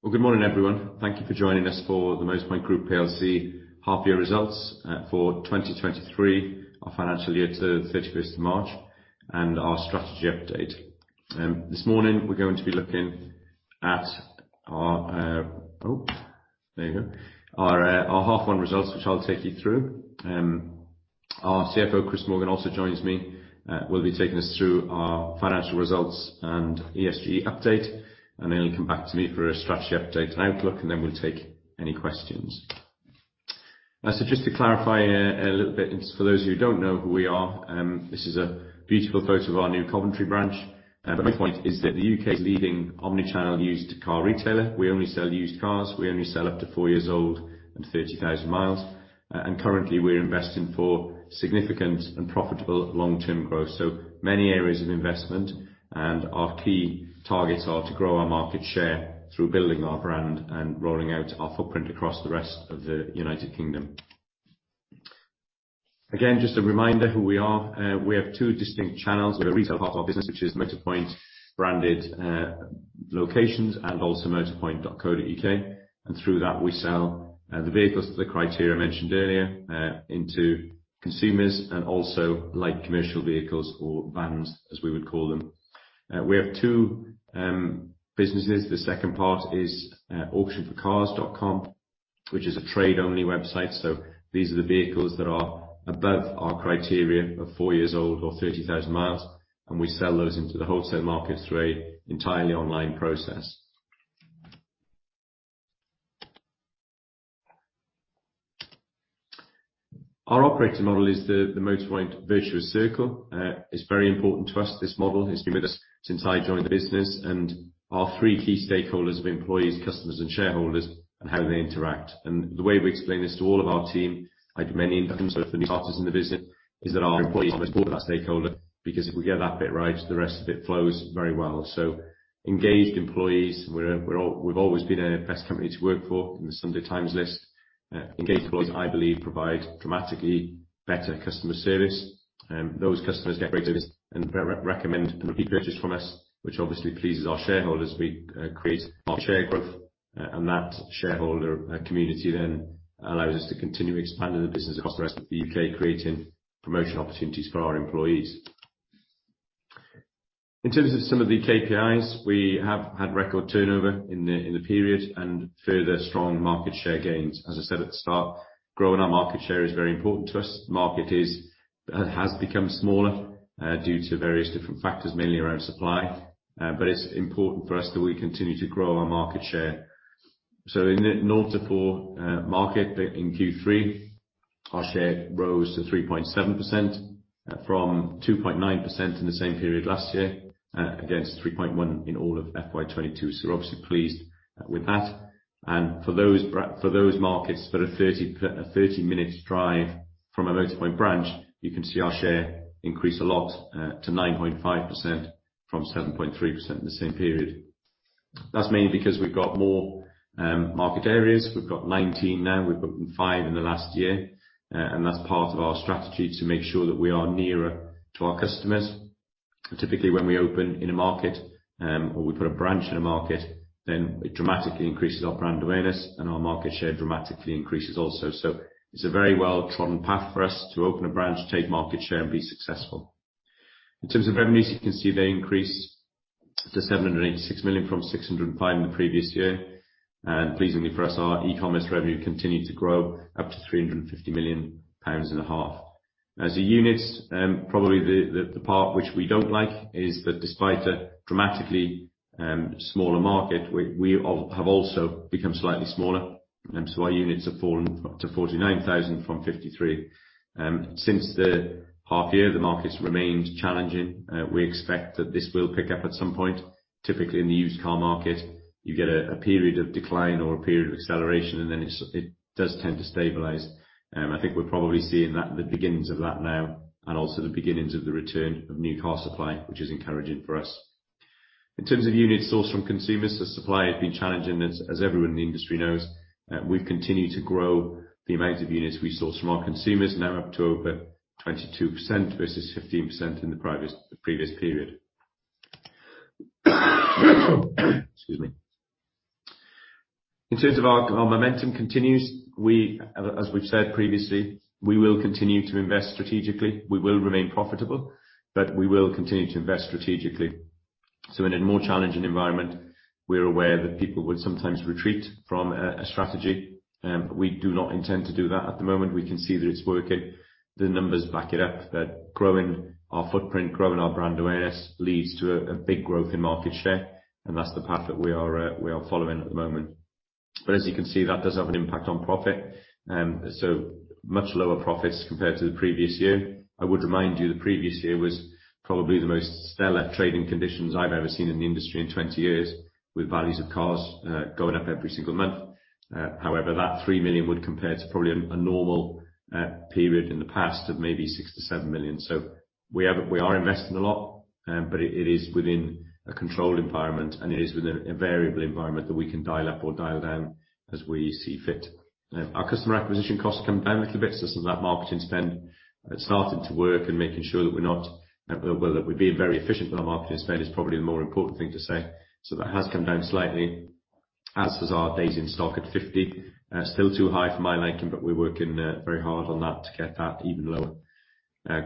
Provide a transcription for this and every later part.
Well, good morning, everyone. Thank Thank you for joining us for the Motorpoint Group Plc half year results for 2023, our financial year to 31st of March and our strategy update. This morning we're going to be looking at our half one results, which I'll take you through. Our CFO, Chris Morgan, also joins me. We'll be taking us through our financial results and ESG update, then he'll come back to me for a strategy update and outlook, then we'll take any questions. So just to clarify a little bit for those who don't know who we are, this is a beautiful photo of our new Coventry branch. Motorpoint is the U.K.'s leading omnichannel used car retailer. We only sell used cars. We only sell up to four years old and 30,000 mi. Currently, we're investing for significant and profitable long-term growth. Many areas of investment and our key targets are to grow our market share through building our brand and rolling out our footprint across the rest of the United Kingdom. Again, just a reminder who we are. We have two distinct channels. We have the retail half of our business, which is Motorpoint branded locations and also motorpoint.co.uk. Through that we sell the vehicles to the criteria mentioned earlier into consumers and also like commercial vehicles or vans, as we would call them. We have two businesses. The second part is Auction4Cars.com, which is a trade-only website. These are the vehicles that are above our criteria of four years old or 30,000 mi. We sell those into the wholesale market through an entirely online process. Our operating model is the Motorpoint virtuous circle. It's very important to us. This model has been with us since I joined the business and our three key stakeholders of employees, customers, and shareholders and how they interact. The way we explain this to all of our team, like many of the new starters in the business, is that our employees are most important to that stakeholder because if we get that bit right, the rest of it flows very well. Engaged employees, we've always been a best company to work for in The Sunday Times list. Engaged employees, I believe, provide dramatically better customer service. Those customers get great service and recommend and repeat purchase from us, which obviously pleases our shareholders. We create our share growth, that shareholder community then allows us to continue expanding the business across the rest of the U.K., creating promotion opportunities for our employees. In terms of some of the KPIs, we have had record turnover in the, in the period and further strong market share gains. As I said at the start, growing our market share is very important to us. Market is, has become smaller, due to various different factors, mainly around supply. It's important for us that we continue to grow our market share. In 0-4 market in Q3, our share rose to 3.7% from 2.9% in the same period last year, against 3.1% in all of FY 2022. We're obviously pleased with that. For those markets that are 30-minutes drive from a Motorpoint branch, you can see our share increase a lot, to 9.5% from 7.3% in the same period. That's mainly because we've got more market areas. We've got 19 now. We've opened five in the last year. That's part of our strategy to make sure that we are nearer to our customers. Typically, when we open in a market, or we put a branch in a market, it dramatically increases our brand awareness and our market share dramatically increases also. It's a very well-trodden path for us to open a branch, take market share and be successful. In terms of revenues, you can see they increased to 786 million (Pound Sterling) from 605 million (Pound Sterling) in the previous year. Pleasingly for us, our e-commerce revenue continued to grow up to 350 million (Pound Sterling) and 1/2. As a unit, probably the part which we don't like is that despite a dramatically smaller market, we have also become slightly smaller. Our units have fallen to 49,000 from 53,000. Since the half year, the market's remained challenging. We expect that this will pick up at some point. Typically, in the used car market, you get a period of decline or a period of acceleration, and then it does tend to stabilize. I think we're probably seeing that, the beginnings of that now, and also the beginnings of the return of new car supply, which is encouraging for us. In terms of units sourced from consumers, the supply has been challenging, as everyone in the industry knows. We've continued to grow the amount of units we source from our consumers, now up to over 22% versus 15% in the previous period. Excuse me. In terms of our momentum continues, we, as we've said previously, we will continue to invest strategically. We will remain profitable, but we will continue to invest strategically. In a more challenging environment, we're aware that people would sometimes retreat from a strategy, but we do not intend to do that at the moment. We can see that it's working, the numbers back it up, that growing our footprint, growing our brand awareness leads to a big growth in market share, and that's the path that we are, we are following at the moment. As you can see, that does have an impact on profit. So much lower profits compared to the previous year. I would remind you the previous year was probably the most stellar trading conditions I've ever seen in the industry in 20 years, with values of cars, going up every single month. That 3 million (Pound Sterling) would compare to probably a normal period in the past of maybe 6 million (Pound Sterling)-GBP 7 million (Pound Sterling). We are investing a lot, but it is within a controlled environment, and it is within a variable environment that we can dial up or dial down as we see fit. Our customer acquisition costs have come down a little bit, so some of that marketing spend has started to work and making sure that we're being very efficient with our marketing spend is probably the more important thing to say. That has come down slightly, as has our days in stock at 50. Still too high for my liking, but we're working very hard on that to get that even lower.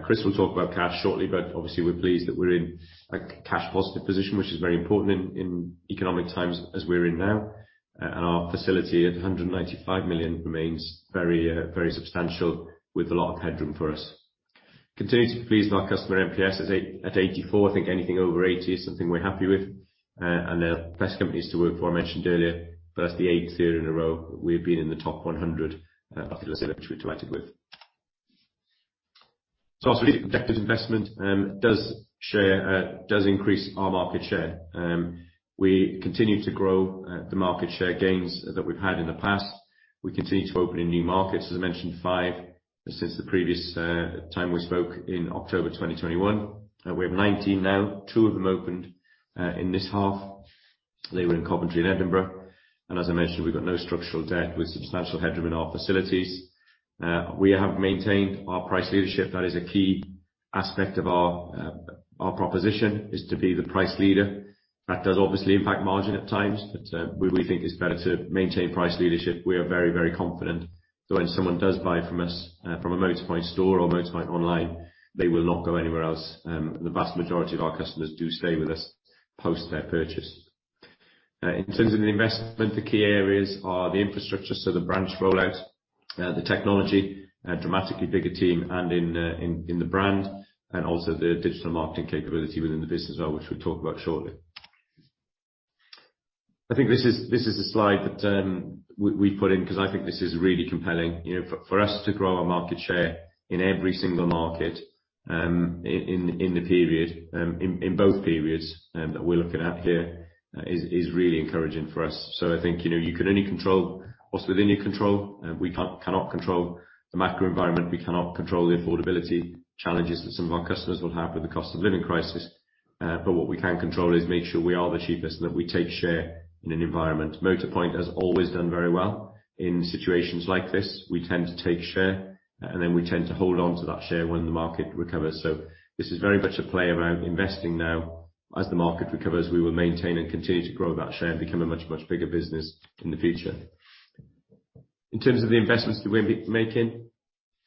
Chris will talk about cash shortly, but obviously we're pleased that we're in a cash positive position, which is very important in economic times as we're in now. Our facility of 195 million (Pound Sterling) remains very substantial with a lot of headroom for us. Continue to be pleased with our customer NPS at 84%. I think anything over 80% is something we're happy with. They're Best Companies to Work For, I mentioned earlier, but that's the eighth year in a row that we've been in the top 100 which we're delighted with. As we did the investment, does increase our market share. We continue to grow the market share gains that we've had in the past. We continue to open in new markets. As I mentioned, five since the previous time we spoke in October 2021. We have 19 now, two of them opened in this half. They were in Coventry and Edinburgh. As I mentioned, we've got no structural debt with substantial headroom in our facilities. We have maintained our price leadership. That is a key aspect of our proposition is to be the price leader. That does obviously impact margin at times, but we think it's better to maintain price leadership. We are very confident that when someone does buy from us, from a Motorpoint store or Motorpoint online, they will not go anywhere else, and the vast majority of our customers do stay with us post their purchase. In terms of the investment, the key areas are the infrastructure, so the branch rollout, the technology, a dramatically bigger team and in the brand, and also the digital marketing capability within the business as well, which we'll talk about shortly. I think this is a slide that we put in 'cause I think this is really compelling. You know, for us to grow our market share in every single market, in the period, in both periods that we're looking at here is really encouraging for us. I think, you know, you can only control what's within your control. We cannot control the macro environment. We cannot control the affordability challenges that some of our customers will have with the cost of living crisis. What we can control is make sure we are the cheapest and that we take share in an environment. Motorpoint has always done very well. In situations like this, we tend to take share, we tend to hold on to that share when the market recovers. This is very much a play around investing now. As the market recovers, we will maintain and continue to grow that share and become a much, much bigger business in the future. In terms of the investments that we'll be making,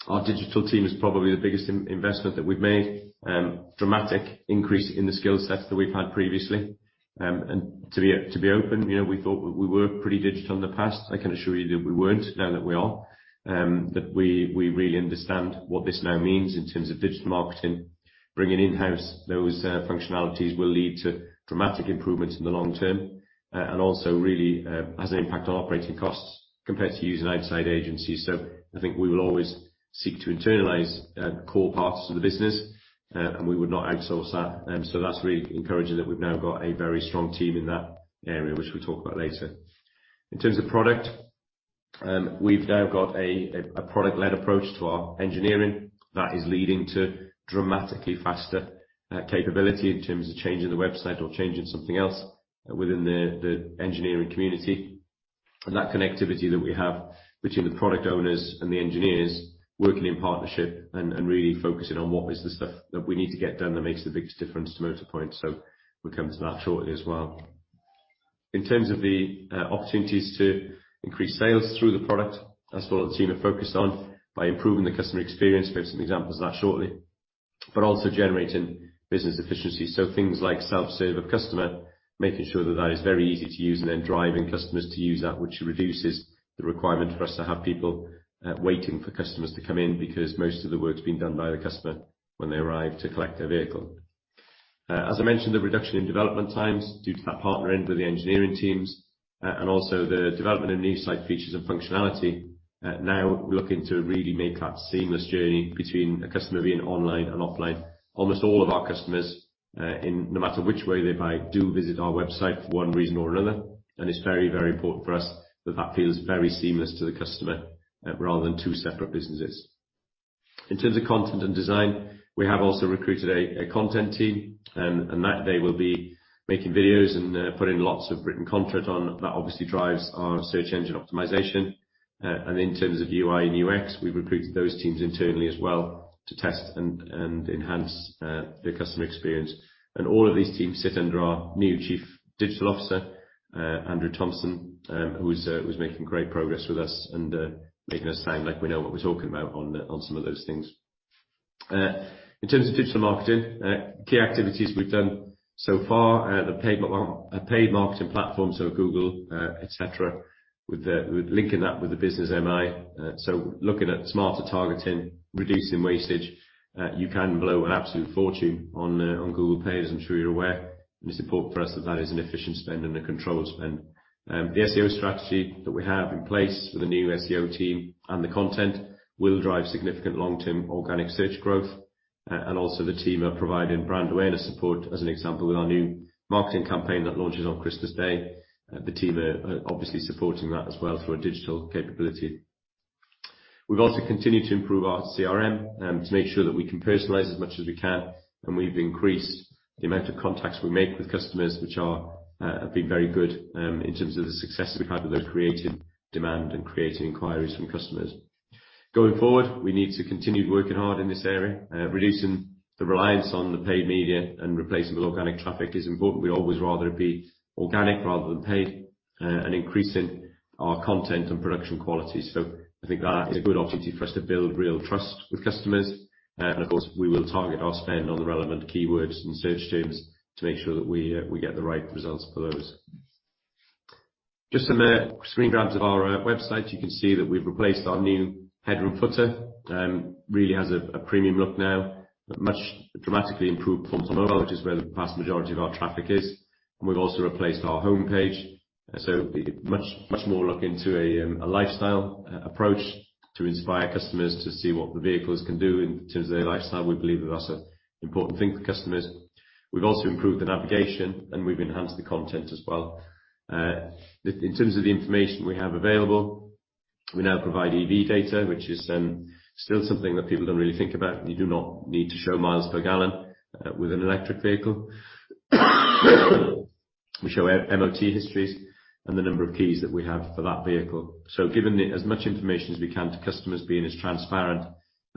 our digital team is probably the biggest in-investment that we've made. Dramatic increase in the skill sets that we've had previously. And to be open, you know, we thought we were pretty digital in the past. I can assure you that we weren't, now that we are. That we really understand what this now means in terms of digital marketing. Bringing in-house those functionalities will lead to dramatic improvement in the long term, and also really has an impact on operating costs compared to using outside agencies. I think we will always seek to internalize core parts of the business, and we would not outsource that. That's really encouraging that we've now got a very strong team in that area, which we'll talk about later. In terms of product, we've now got a product-led approach to our engineering that is leading to dramatically faster capability in terms of changing the website or changing something else within the engineering community. That connectivity that we have between the product owners and the engineers working in partnership and really focusing on what is the stuff that we need to get done that makes the biggest difference to Motorpoint. We'll come to that shortly as well. In terms of the opportunities to increase sales through the product, that's what the team are focused on by improving the customer experience. Give some examples of that shortly. Also generating business efficiency, so things like self-serve a customer, making sure that that is very easy to use and then driving customers to use that, which reduces the requirement for us to have people waiting for customers to come in because most of the work's being done by the customer when they arrive to collect their vehicle. As I mentioned, the reduction in development times due to that partnering with the engineering teams, and also the development of new site features and functionality. Now looking to really make that seamless journey between a customer being online and offline. Almost all of our customers, no matter which way they buy, do visit our website for one reason or another, and it's very, very important for us that that feels very seamless to the customer, rather than two separate businesses. In terms of content and design, we have also recruited a content team, and that they will be making videos and putting lots of written content on. That obviously drives our search engine optimization. In terms of UI and UX, we've recruited those teams internally as well to test and enhance the customer experience. All of these teams sit under our new Chief Digital Officer, Andrew Thomson, who is making great progress with us and making us sound like we know what we're talking about on some of those things. In terms of digital marketing, key activities we've done so far, the paid marketing platform, so Google, et cetera, with linking that with the business MI. Looking at smarter targeting, reducing wastage. You can blow an absolute fortune on Google Pay, as I'm sure you're aware, and it's important for us that that is an efficient spend and a controlled spend. The SEO strategy that we have in place with the new SEO team and the content will drive significant long-term organic search growth. The team are providing brand awareness support, as an example, with our new marketing campaign that launches on Christmas Day. The team are obviously supporting that as well through our digital capability. We've also continued to improve our CRM to make sure that we can personalize as much as we can, and we've increased the amount of contacts we make with customers which have been very good in terms of the success that we've had with creating demand and creating inquiries from customers. Going forward, we need to continue working hard in this area, reducing the reliance on the paid media and replacing with organic traffic is important. We always rather it be organic rather than paid, and increasing our content and production quality. I think that is a good opportunity for us to build real trust with customers. Of course, we will target our spend on the relevant keywords and search terms to make sure that we get the right results for those. Just some screen grabs of our website. You can see that we've replaced our new header and footer. Really has a premium look now, much dramatically improved performance as well, which is where the vast majority of our traffic is. We've also replaced our homepage, so much more look into a lifestyle approach to inspire customers to see what the vehicles can do in terms of their lifestyle. We believe that's an important thing for customers. We've also improved the navigation, and we've enhanced the content as well. In terms of the information we have available, we now provide EV data, which is still something that people don't really think about. You do not need to show miles per gallon with an electric vehicle. We show MOT histories and the number of keys that we have for that vehicle. Giving as much information as we can to customers, being as transparent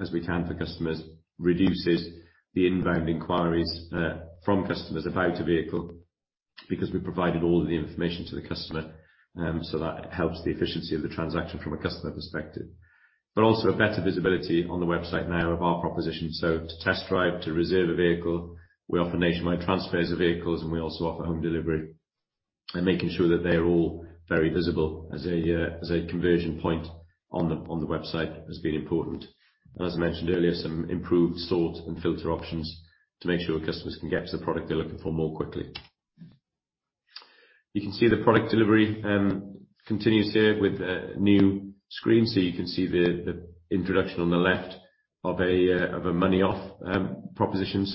as we can for customers, reduces the inbound inquiries from customers about a vehicle because we provided all of the information to the customer. That helps the efficiency of the transaction from a customer perspective. Also a better visibility on the website now of our proposition. To test drive, to reserve a vehicle, we offer nationwide transfers of vehicles, and we also offer home delivery. Making sure that they are all very visible as a, as a conversion point on the, on the website has been important. As I mentioned earlier, some improved sort and filter options to make sure customers can get to the product they're looking for more quickly. You can see the product delivery continues here with a new screen. You can see the introduction on the left of a, of a money-off proposition.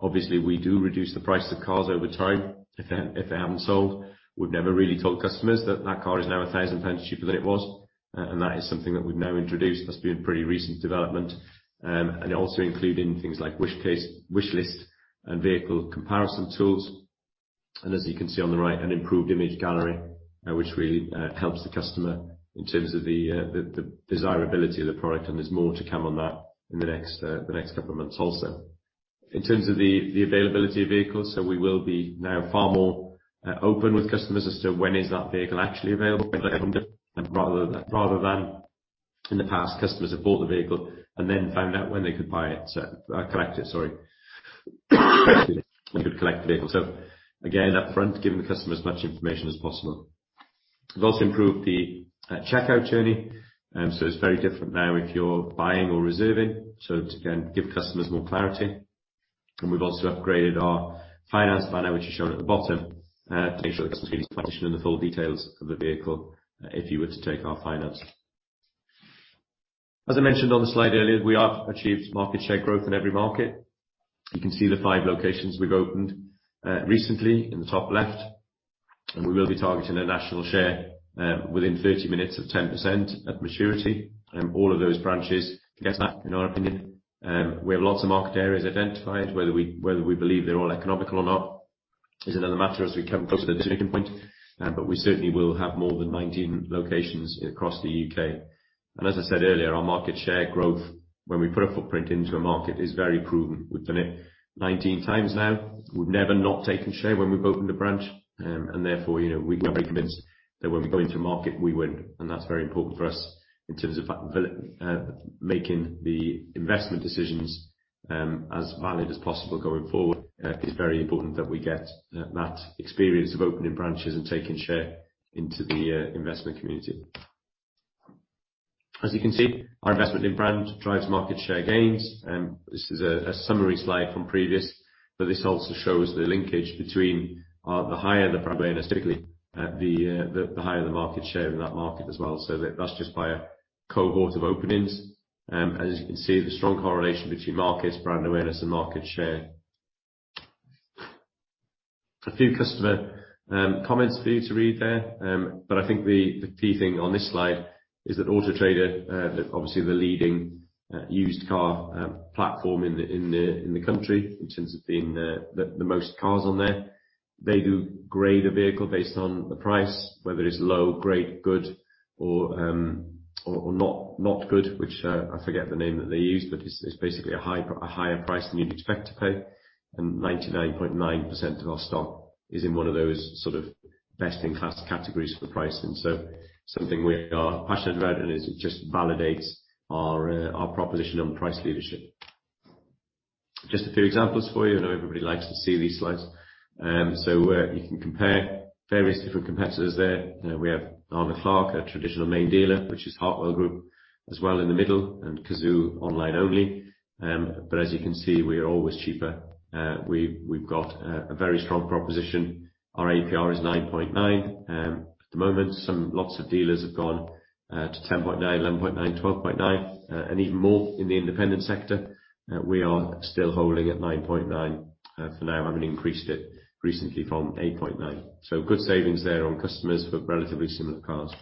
Obviously we do reduce the price of cars over time if they, if they haven't sold. We've never really told customers that that car is now a thousand times cheaper than it was, and that is something that we've now introduced. That's been a pretty recent development. It also include in things like wish list and vehicle comparison tools. As you can see on the right, an improved image gallery, which really helps the customer in terms of the desirability of the product. There's more to come on that in the next couple of months also. In terms of the availability of vehicles, we will be now far more open with customers as to when is that vehicle actually available rather than in the past, customers have bought the vehicle and then found out when they could buy it, so collect it, sorry, they could collect the vehicle. Again, upfront, giving the customer as much information as possible. We've also improved the checkout journey. It's very different now if you're buying or reserving, so to again, give customers more clarity. We've also upgraded our finance banner, which is shown at the bottom to make sure the customer is petitioned in the full details of the vehicle if you were to take our finance. As I mentioned on the slide earlier, we have achieved market share growth in every market. You can see the five locations we've opened recently in the top left, and we will be targeting a national share within 30 minutes of 10% at maturity. All of those branches can get that in our opinion. We have lots of market areas identified. Whether we believe they're all economical or not is another matter as we come closer to the turning point. We certainly will have more than 19 locations across the U.K. As I said earlier, our market share growth, when we put a footprint into a market, is very proven. We've done it 19x now. We've never not taken share when we've opened a branch. Therefore, you know, we can be convinced that when we go into market, we win. That's very important for us in terms of making the investment decisions as valid as possible going forward. It's very important that we get that experience of opening branches and taking share into the investment community. As you can see, our investment in brand drives market share gains. This is a summary slide from previous, but this also shows the linkage between our the higher the brand awareness, typically, the higher the market share in that market as well. That's just by a cohort of openings. As you can see, the strong correlation between markets, brand awareness and market share. A few customer comments for you to read there. I think the key thing on this slide is that Autotrader, obviously the leading used car platform in the country, in terms of being the most cars on there, they do grade a vehicle based on the price, whether it's low, great, good or not good, which, I forget the name that they use, but it's basically a higher price than you'd expect to pay. 99.9% of our stock is in one of those sort of best-in-class categories for pricing. Something we are passionate about, and it just validates our proposition on price leadership. Just a few examples for you. I know everybody likes to see these slides. You can compare various different competitors there. We have Arnold Clark, a traditional main dealer, which is Hartwell Group, as well in the middle, and Cazoo online only. As you can see, we are always cheaper. We've got a very strong proposition. Our APR is 9.9%. At the moment, some lots of dealers have gone to 10.9%, 11.9%, 12.9%, and even more in the independent sector. We are still holding at 9.9%. For now, having increased it recently from 8.9%. Good savings there on customers for relatively similar cars.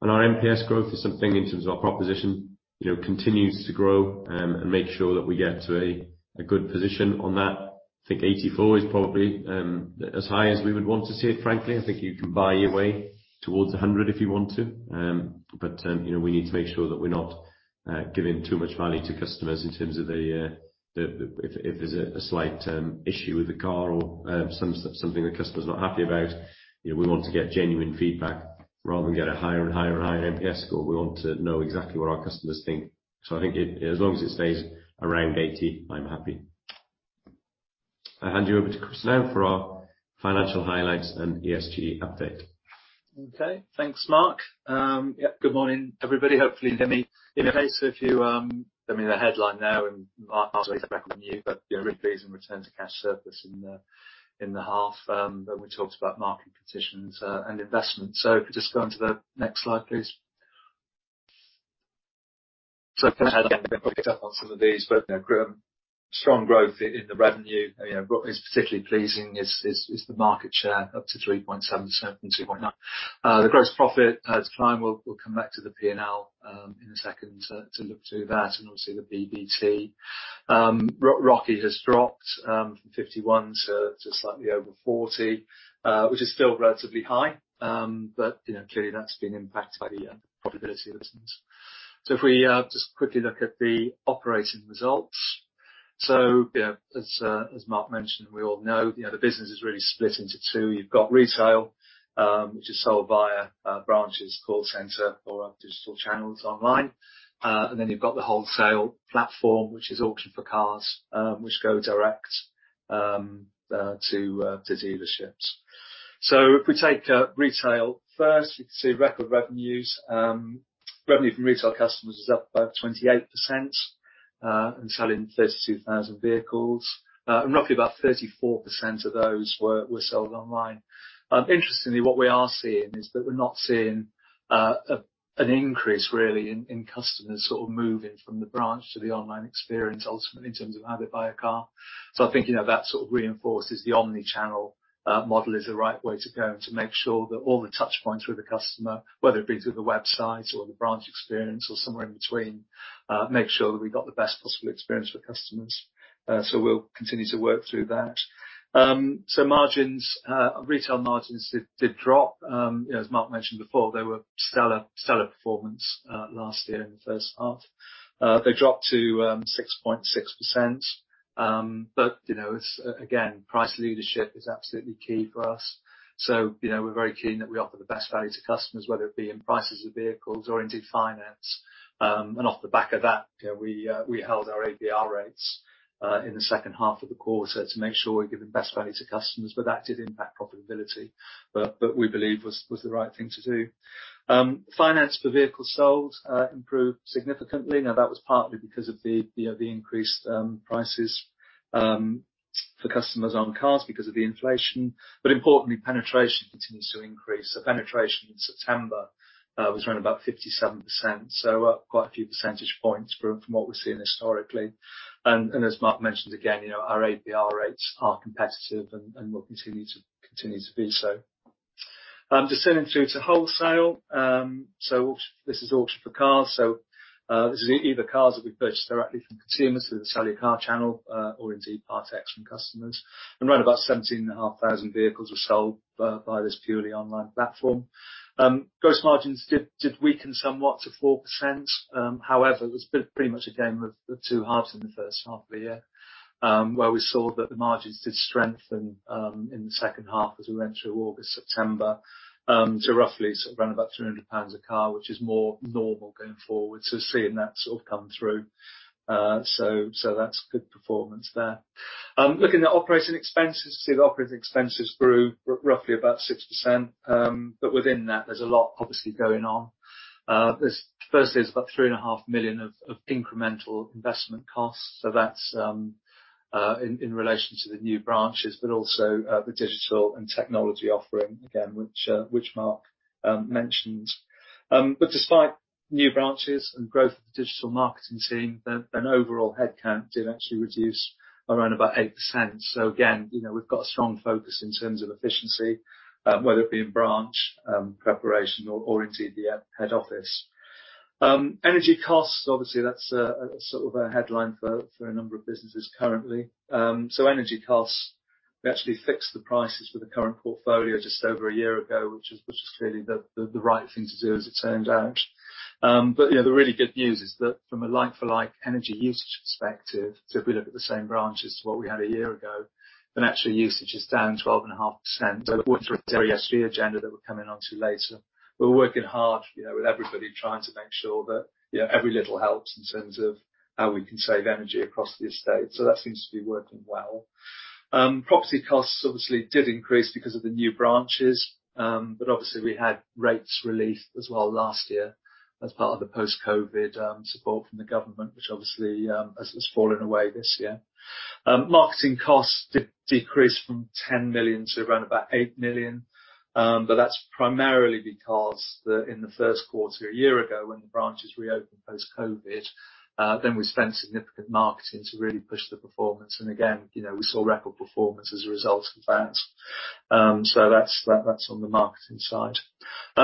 Our NPS growth is something in terms of our proposition, you know, continues to grow and make sure that we get to a good position on that. I think 84% is probably as high as we would want to see it, frankly. I think you can buy your way towards 100% if you want to. You know, we need to make sure that we're not giving too much value to customers in terms of a if there's a slight issue with the car or something the customer's not happy about, you know, we want to get genuine feedback rather than get a higher and higher and higher NPS score. We want to know exactly what our customers think. I think as long as it stays around 80%, I'm happy. I hand you over to Chris now for our financial highlights and ESG update. Thanks, Mark. Yep. Good morning, everybody. Hopefully you can hear me. In case if you, I mean, the headline now and Mark has waited back on you know, really pleasing return to cash surplus in the half, when we talked about market positions and investments. If you just go onto the next slide, please. Again, picked up on some of these, you know, strong growth in the revenue, you know, what is particularly pleasing is the market share up to 3.7% from 2.9%. The gross profit as climb we'll come back to the P&L in a second to look through that and obviously the PBT. ROCE has dropped from 51 to slightly over 40, which is still relatively high. You know, clearly that's been impacted by the profitability of the business. If we just quickly look at the operating results. You know, as Mark mentioned, and we all know, you know, the business is really split into two. You've got retail, which is sold via branches, call center or our digital channels online. You've got the wholesale platform, which is Auction4Cars.com, which go direct to dealerships. If we take retail first, you can see record revenues. Revenue from retail customers is up by 28%, and selling 32,000 vehicles. Roughly about 34% of those were sold online. Interestingly, what we are seeing is that we're not seeing an increase really in customers sort of moving from the branch to the online experience ultimately in terms of how they buy a car. I think, you know, that sort of reinforces the omnichannel model is the right way to go and to make sure that all the touch points with the customer, whether it be through the website or the branch experience or somewhere in between, make sure that we've got the best possible experience for customers. We'll continue to work through that. Margins, retail margins did drop. You know, as Mark mentioned before, they were stellar performance last year in the first half. They dropped to 6.6%. You know, it's again, price leadership is absolutely key for us. You know, we're very keen that we offer the best value to customers, whether it be in prices of vehicles or indeed finance. Off the back of that, you know, we held our APR rates in the second half of the quarter to make sure we're giving best value to customers, but that did impact profitability. We believe was the right thing to do. Finance per vehicle sold improved significantly. That was partly because of the increased prices for customers on cars because of the inflation. Importantly, penetration continues to increase. Penetration in September was around about 57%. Quite a few percentage points from what we're seeing historically. As Mark mentioned, again, you know, our APR rates are competitive and will continue to be so. Descending through to wholesale. This is Auction4Cars.com. This is either cars that we purchased directly from consumers through the Sell Your Car channel, or indeed part exchange customers. Around about 17,500 vehicles were sold by this purely online platform. Gross margins did weaken somewhat to 4%. However, it was built pretty much again with the two halves in the first half of the year, where we saw that the margins did strengthen in the second half as we went through August, September, to roughly sort of around about 200 (Pound Sterling) a car, which is more normal going forward. Seeing that sort of come through. That's good performance there. Looking at operating expenses, you can see the operating expenses grew roughly about 6%. Within that, there's a lot obviously going on. There's firstly, it's about 3.5 million (Pound Sterling) of incremental investment costs. That's in relation to the new branches, but also the digital and technology offering again, which Mark mentioned. Despite new branches and growth of the digital marketing team, the an overall headcount did actually reduce around about 8%. Again, you know, we've got a strong focus in terms of efficiency, whether it be in branch preparation or indeed the head office. Energy costs, obviously, that's a sort of a headline for a number of businesses currently. So energy costs, we actually fixed the prices for the current portfolio just over a year ago, which is clearly the right thing to do as it turned out. You know, the really good news is that from a like-for-like energy usage perspective, so if we look at the same branches to what we had a year ago, then actually usage is down 12.5%. The water,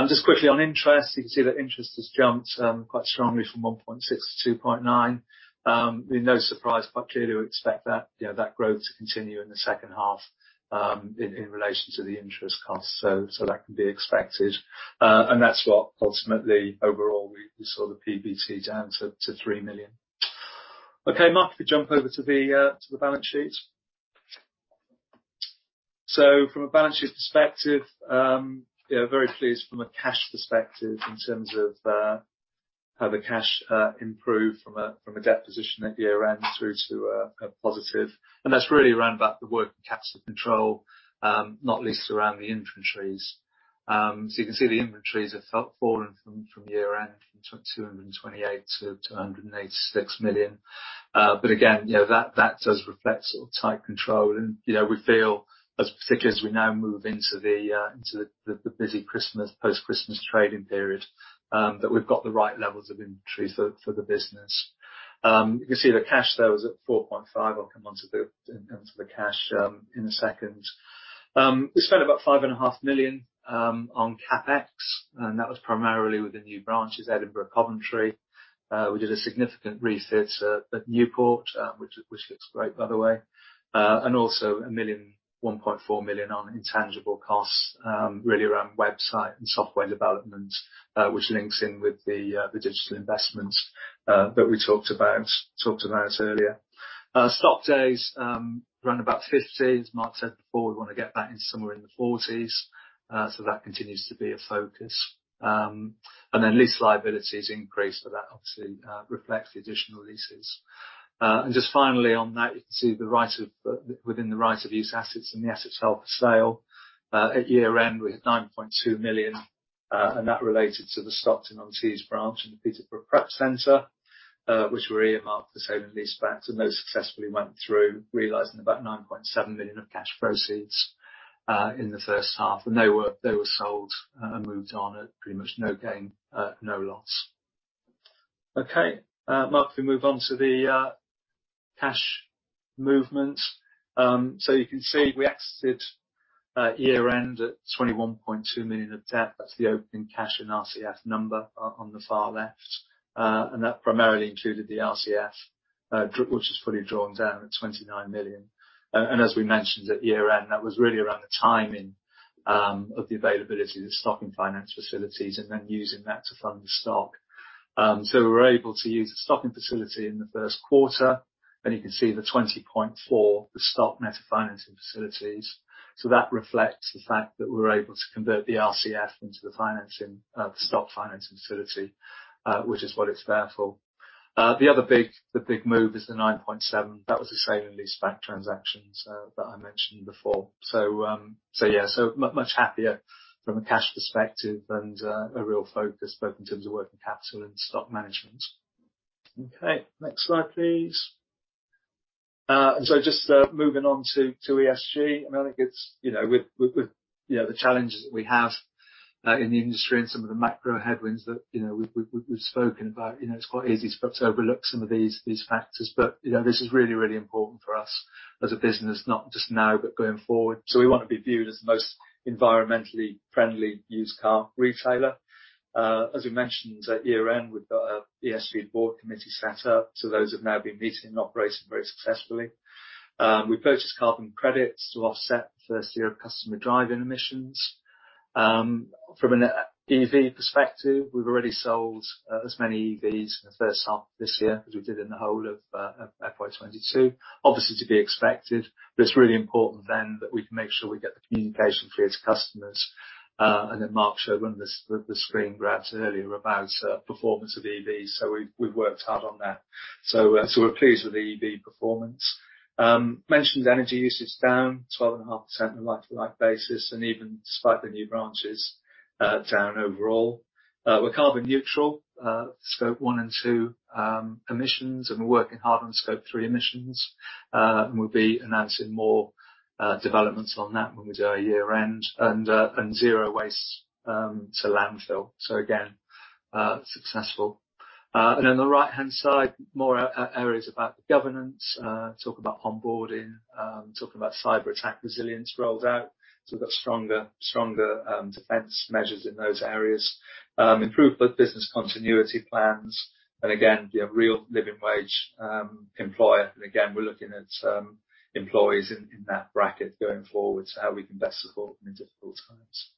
just quickly on interest, you can see that interest has jumped quite strongly from 1.6 million (Pound Sterling) to 2.9 million (Pound Sterling). We're no surprise, but clearly we expect that, you know, that growth to continue in the second half in relation to the interest costs. That can be expected. That's what ultimately overall we saw the PBT down to 3 million (Pound Sterling). Okay, Mark, if you jump over to the balance sheet. From a balance sheet perspective, yeah, very pleased from a cash perspective in terms of how the cash improved from a debt position at year-end through to a positive. That's really around about the working capital control, not least around the inventories. You can see the inventories have fallen from year-end from 228 million (Pound Sterling) to 286 million (Pound Sterling). Again, you know, that does reflect sort of tight control and, you know, we feel as particularly as we now move into the busy Christmas, post-Christmas trading period, that we've got the right levels of inventories for the business. You can see the cash there was at 4.5 (Pound Sterling). I'll come on to the, in terms of the cash, in a second. We spent about 5.5 million (Pound Sterling) on CapEx, and that was primarily with the new branches, Edinburgh, Coventry. We did a significant refit at Newport, which looks great by the way. Also a million, 1.4 million (Pound Sterling) on intangible costs, really around website and software development, which links in with the digital investments that we talked about earlier. Stock days, around about 50. As Mark said before, we wanna get that into somewhere in the 40s. That continues to be a focus. Then lease liabilities increased, but that obviously reflects the additional leases. Just finally on that, you can see the right of, within the right of use assets and the assets held for sale. At year-end we had 9.2 million (Pound Sterling), and that related to the Stockton-on-Tees branch and the Peterborough prep center, which were earmarked for sale and lease back, and those successfully went through, realizing about 9.7 million (Pound Sterling) of cash proceeds in the first half. They were sold and moved on at pretty much no gain, no loss. Mark, if we move on to the cash movement. You can see we exited year-end at 21.2 million (Pound Sterling) of debt. That's the opening cash and RCF number on the far left. That primarily included the RCF, which is fully drawn down at 29 million (Pound Sterling). As we mentioned at year-end, that was really around the timing of the availability of the stocking finance facilities, and then using that to fund the stock. We were able to use the stocking facility in the first quarter, and you can see the 20.4 (Pound Sterling), the stock net financing facilities. That reflects the fact that we're able to convert the RCF into the financing, the stock financing facility, which is what it's there for. The other big move is the 9.7 (Pound Sterling). That was the sale and lease back transactions that I mentioned before. Yeah. Much happier from a cash perspective and a real focus both in terms of working capital and stock management. Okay, next slide please. Just moving on to ESG. I mean, I think it's, you know, with, you know, the challenges that we have in the industry and some of the macro headwinds that, you know, we've spoken about, you know, it's quite easy to overlook some of these factors. You know, this is really, really important for us as a business, not just now, but going forward. We wanna be viewed as the most environmentally friendly used car retailer. As we mentioned at year-end, we've got a ESG Board Committee set up, those have now been meeting and operating very successfully. We purchased carbon credits to offset the first year of customer driving emissions. From an EV perspective, we've already sold as many EVs in the first half of this year as we did in the whole of FY 2022. Obviously to be expected, it's really important that we can make sure we get the communication clear to customers. Mark showed one of the screen grabs earlier about performance of EVs, we've worked hard on that. We're pleased with the EV performance. Mentioned energy usage down 12.5% on a like-to-like basis, even despite the new branches, down overall. We're carbon neutral, Scope 1 and 2 emissions, we're working hard on Scope 3 emissions. We'll be announcing more developments on that when we do our year end. Zero waste to landfill. Again, successful. On the right-hand side, more areas about the governance. Talk about onboarding, talking about cyber attack resilience rolled out, we've got stronger defense measures in those areas. Improved business continuity plans, you know, real living wage employer. Again, we're looking at employees in that bracket going forward to how we can best support them in difficult times.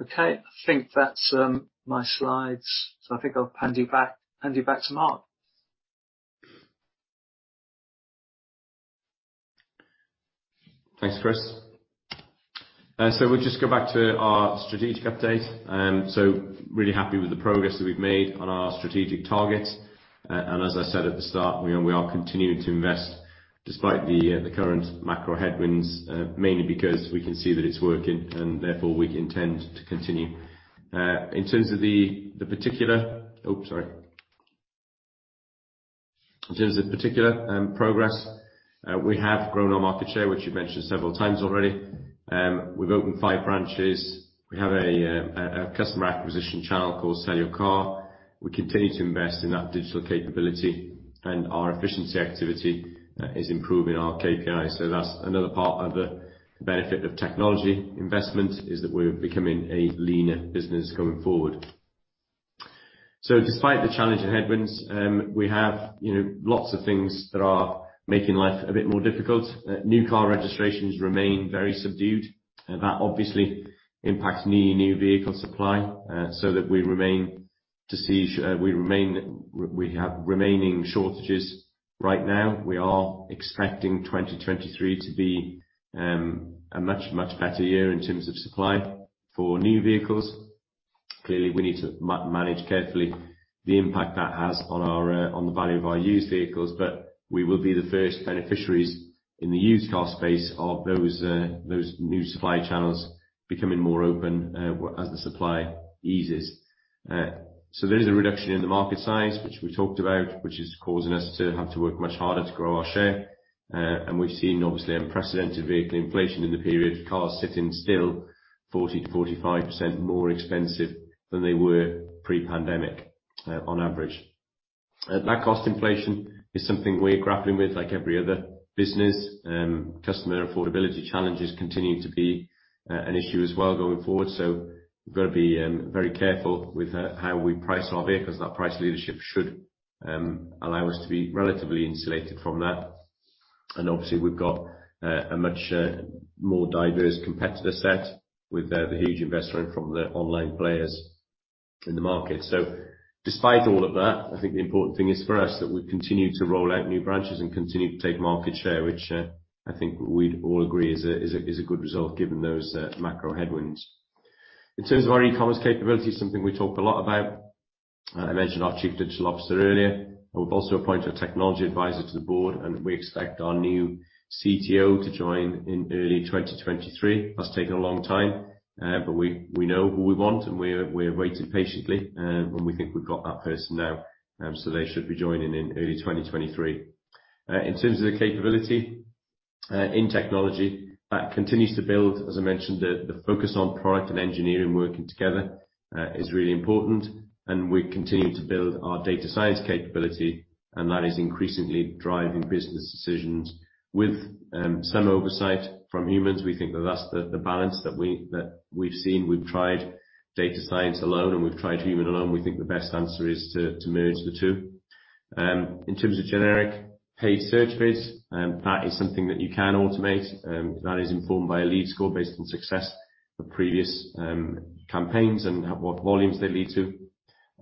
Okay. I think that's my slides. I think I'll hand you back to Mark. Thanks, Chris. We'll just go back to our strategic update. Really happy with the progress that we've made on our strategic targets. As I said at the start, you know, we are continuing to invest despite the current macro headwinds, mainly because we can see that it's working and therefore we intend to continue. In terms of particular progress, we have grown our market share, which we've mentioned several times already. We've opened five branches. We have a customer acquisition channel called Sell Your Car. We continue to invest in that digital capability, and our efficiency activity is improving our KPIs. That's another part of the benefit of technology investment, is that we're becoming a leaner business going forward. Despite the challenging headwinds, we have, you know, lots of things that are making life a bit more difficult. New car registrations remain very subdued. That obviously impacts new vehicle supply, so that we have remaining shortages right now. We are expecting 2023 to be a much, much better year in terms of supply for new vehicles. Clearly, we need to manage carefully the impact that has on our, on the value of our used vehicles. We will be the first beneficiaries in the used car space of those new supply channels becoming more open, as the supply eases. There is a reduction in the market size, which we talked about, which is causing us to have to work much harder to grow our share. We've seen obviously unprecedented vehicle inflation in the period, cars sitting still 40%-45% more expensive than they were pre-pandemic, on average. That cost inflation is something we're grappling with like every other business. Customer affordability challenges continue to be an issue as well going forward. We've got to be very careful with how we price our vehicles. That price leadership should allow us to be relatively insulated from that. Obviously, we've got a much more diverse competitor set with the huge investment from the online players in the market. Despite all of that, I think the important thing is for us that we continue to roll out new branches and continue to take market share, which, I think we'd all agree is a good result given those macro headwinds. In terms of our e-commerce capability, something we talk a lot about, I mentioned our Chief Digital Officer earlier. We've also appointed a Technology Advisor to the Board, and we expect our new CTO to join in early 2023. That's taken a long time. But we know who we want, and we're waiting patiently, and we think we've got that person now, so they should be joining in early 2023. In terms of the capability, in technology, that continues to build. As I mentioned, the focus on product and engineering working together is really important, and we continue to build our data science capability, and that is increasingly driving business decisions with some oversight from humans. We think that that's the balance that we've seen. We've tried data science alone, and we've tried human alone. We think the best answer is to merge the two. In terms of generic paid search bids, that is something that you can automate, that is informed by a lead score based on success of previous campaigns and what volumes they lead to.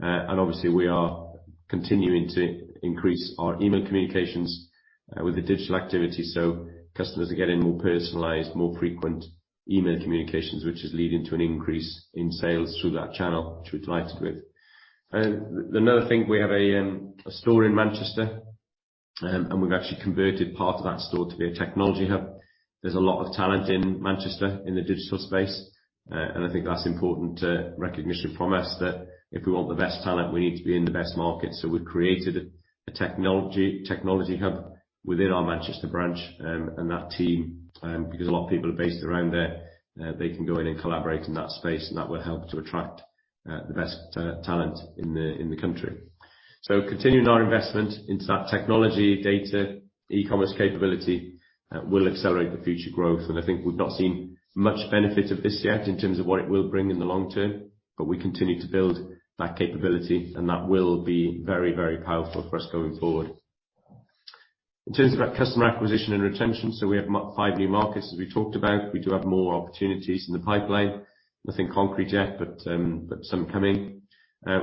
Obviously, we are continuing to increase our email communications with the digital activity. Customers are getting more personalized, more frequent email communications, which is leading to an increase in sales through that channel, which we're delighted with. Another thing, we have a store in Manchester, and we've actually converted part of that store to be a Technology Hub. There's a lot of talent in Manchester in the digital space. I think that's important recognition from us that if we want the best talent, we need to be in the best market. We've created a Technology Hub within our Manchester branch, and that team, because a lot of people are based around there, they can go in and collaborate in that space, and that will help to attract the best talent in the country. Continuing our investment into that technology, data, e-commerce capability will accelerate the future growth. I think we've not seen much benefit of this yet in terms of what it will bring in the long term, but we continue to build that capability and that will be very, very powerful for us going forward. In terms of our customer acquisition and retention, we have five new markets as we talked about. We do have more opportunities in the pipeline. Nothing concrete yet, but some coming.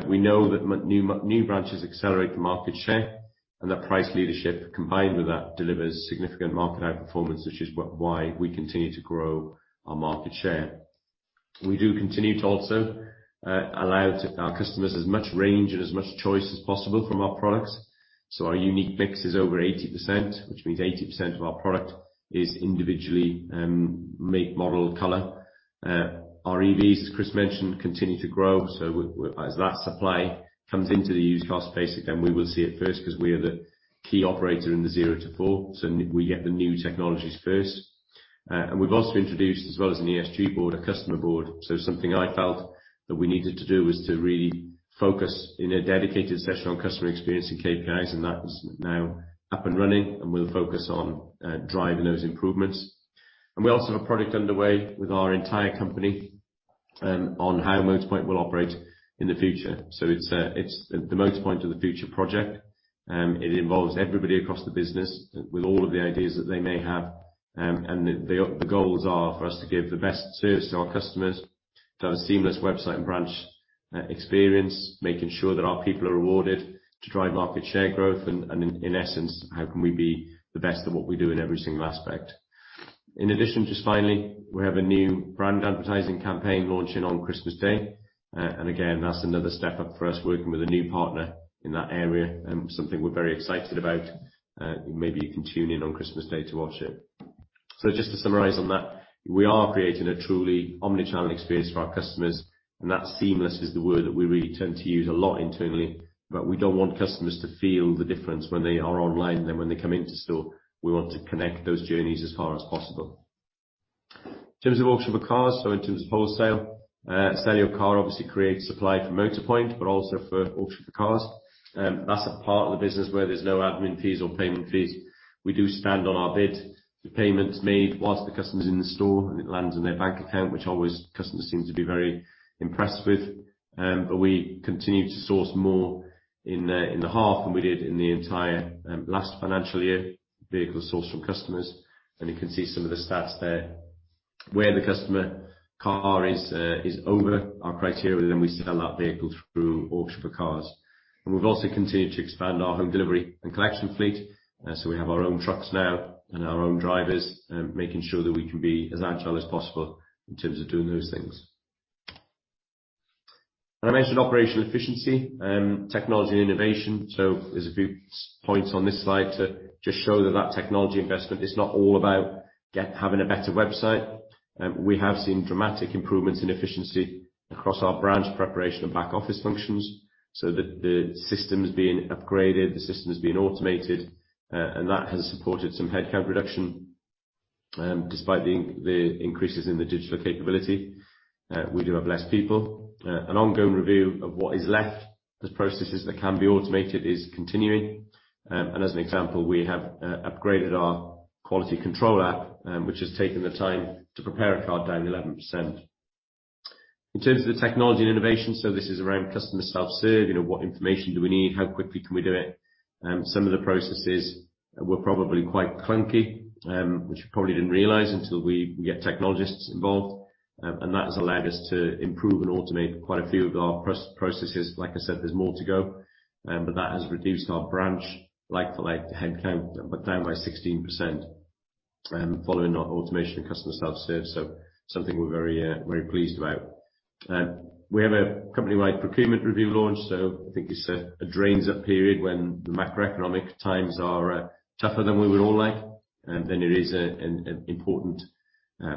We know that new branches accelerate the market share and that price leadership combined with that delivers significant market outperformance, which is why we continue to grow our market share. We do continue to also allow our customers as much range and as much choice as possible from our products. Our unique mix is over 80%, which means 80% of our product is individually make, model, color. Our EVs, as Chris mentioned, continue to grow. As that supply comes into the used car space, again, we will see it first because we are the key operator in the zero to four, we get the new technologies first. We've also introduced as well as an ESG board, a customer board. Something I felt that we needed to do was to really focus in a dedicated session on customer experience and KPIs, and that's now up and running, and we'll focus on driving those improvements. We also have a product underway with our entire company on how Motorpoint will operate in the future. It's the Motorpoint of the future project. It involves everybody across the business with all of the ideas that they may have. The goals are for us to give the best service to our customers, to have a seamless website and branch experience, making sure that our people are rewarded to drive market share growth, and in essence, how can we be the best at what we do in every single aspect. In addition, just finally, we have a new brand advertising campaign launching on Christmas Day. Again, that's another step up for us working with a new partner in that area and something we're very excited about. Maybe you can tune in on Christmas Day to watch it. Just to summarize on that, we are creating a truly omnichannel experience for our customers, and that seamless is the word that we really tend to use a lot internally, but we don't want customers to feel the difference when they are online than when they come into store. We want to connect those journeys as far as possible. In terms of Auction4Cars.com, so in terms of wholesale, Sell Your Car obviously creates supply for Motorpoint, but also for Auction4Cars.com. That's a part of the business where there's no admin fees or payment fees. We do stand on our bid. The payment's made whilst the customer's in the store, and it lands in their bank account, which always customers seem to be very impressed with. We continue to source more in the half than we did in the entire last financial year, vehicles sourced from customers, and you can see some of the stats there. Where the customer car is over our criteria, then we sell that vehicle through Auction4Cars.com. We've also continued to expand our home delivery and collection fleet. We have our own trucks now and our own drivers, making sure that we can be as agile as possible in terms of doing those things. I mentioned operational efficiency, technology and innovation. There's a few points on this slide to just show that that technology investment is not all about having a better website. We have seen dramatic improvements in efficiency across our branch preparation and back office functions so that the system's been upgraded, the system's been automated, and that has supported some headcount reduction. Despite the increases in the digital capability, we do have less people. An ongoing review of what is left as processes that can be automated is continuing. As an example, we have upgraded our quality control app, which has taken the time to prepare a car down 11%. In terms of the technology and innovation, this is around customer self-serve. You know, what information do we need? How quickly can we do it? Some of the processes were probably quite clunky, which we probably didn't realize until we get technologists involved. That has allowed us to improve and automate quite a few of our processes. Like I said, there's more to go, that has reduced our branch like for like headcount down by 16% following our automation and customer self-serve, so something we're very pleased about. We have a company-wide procurement review launch, so I think it's a drains up period when the macroeconomic times are tougher than we would all like. It is an important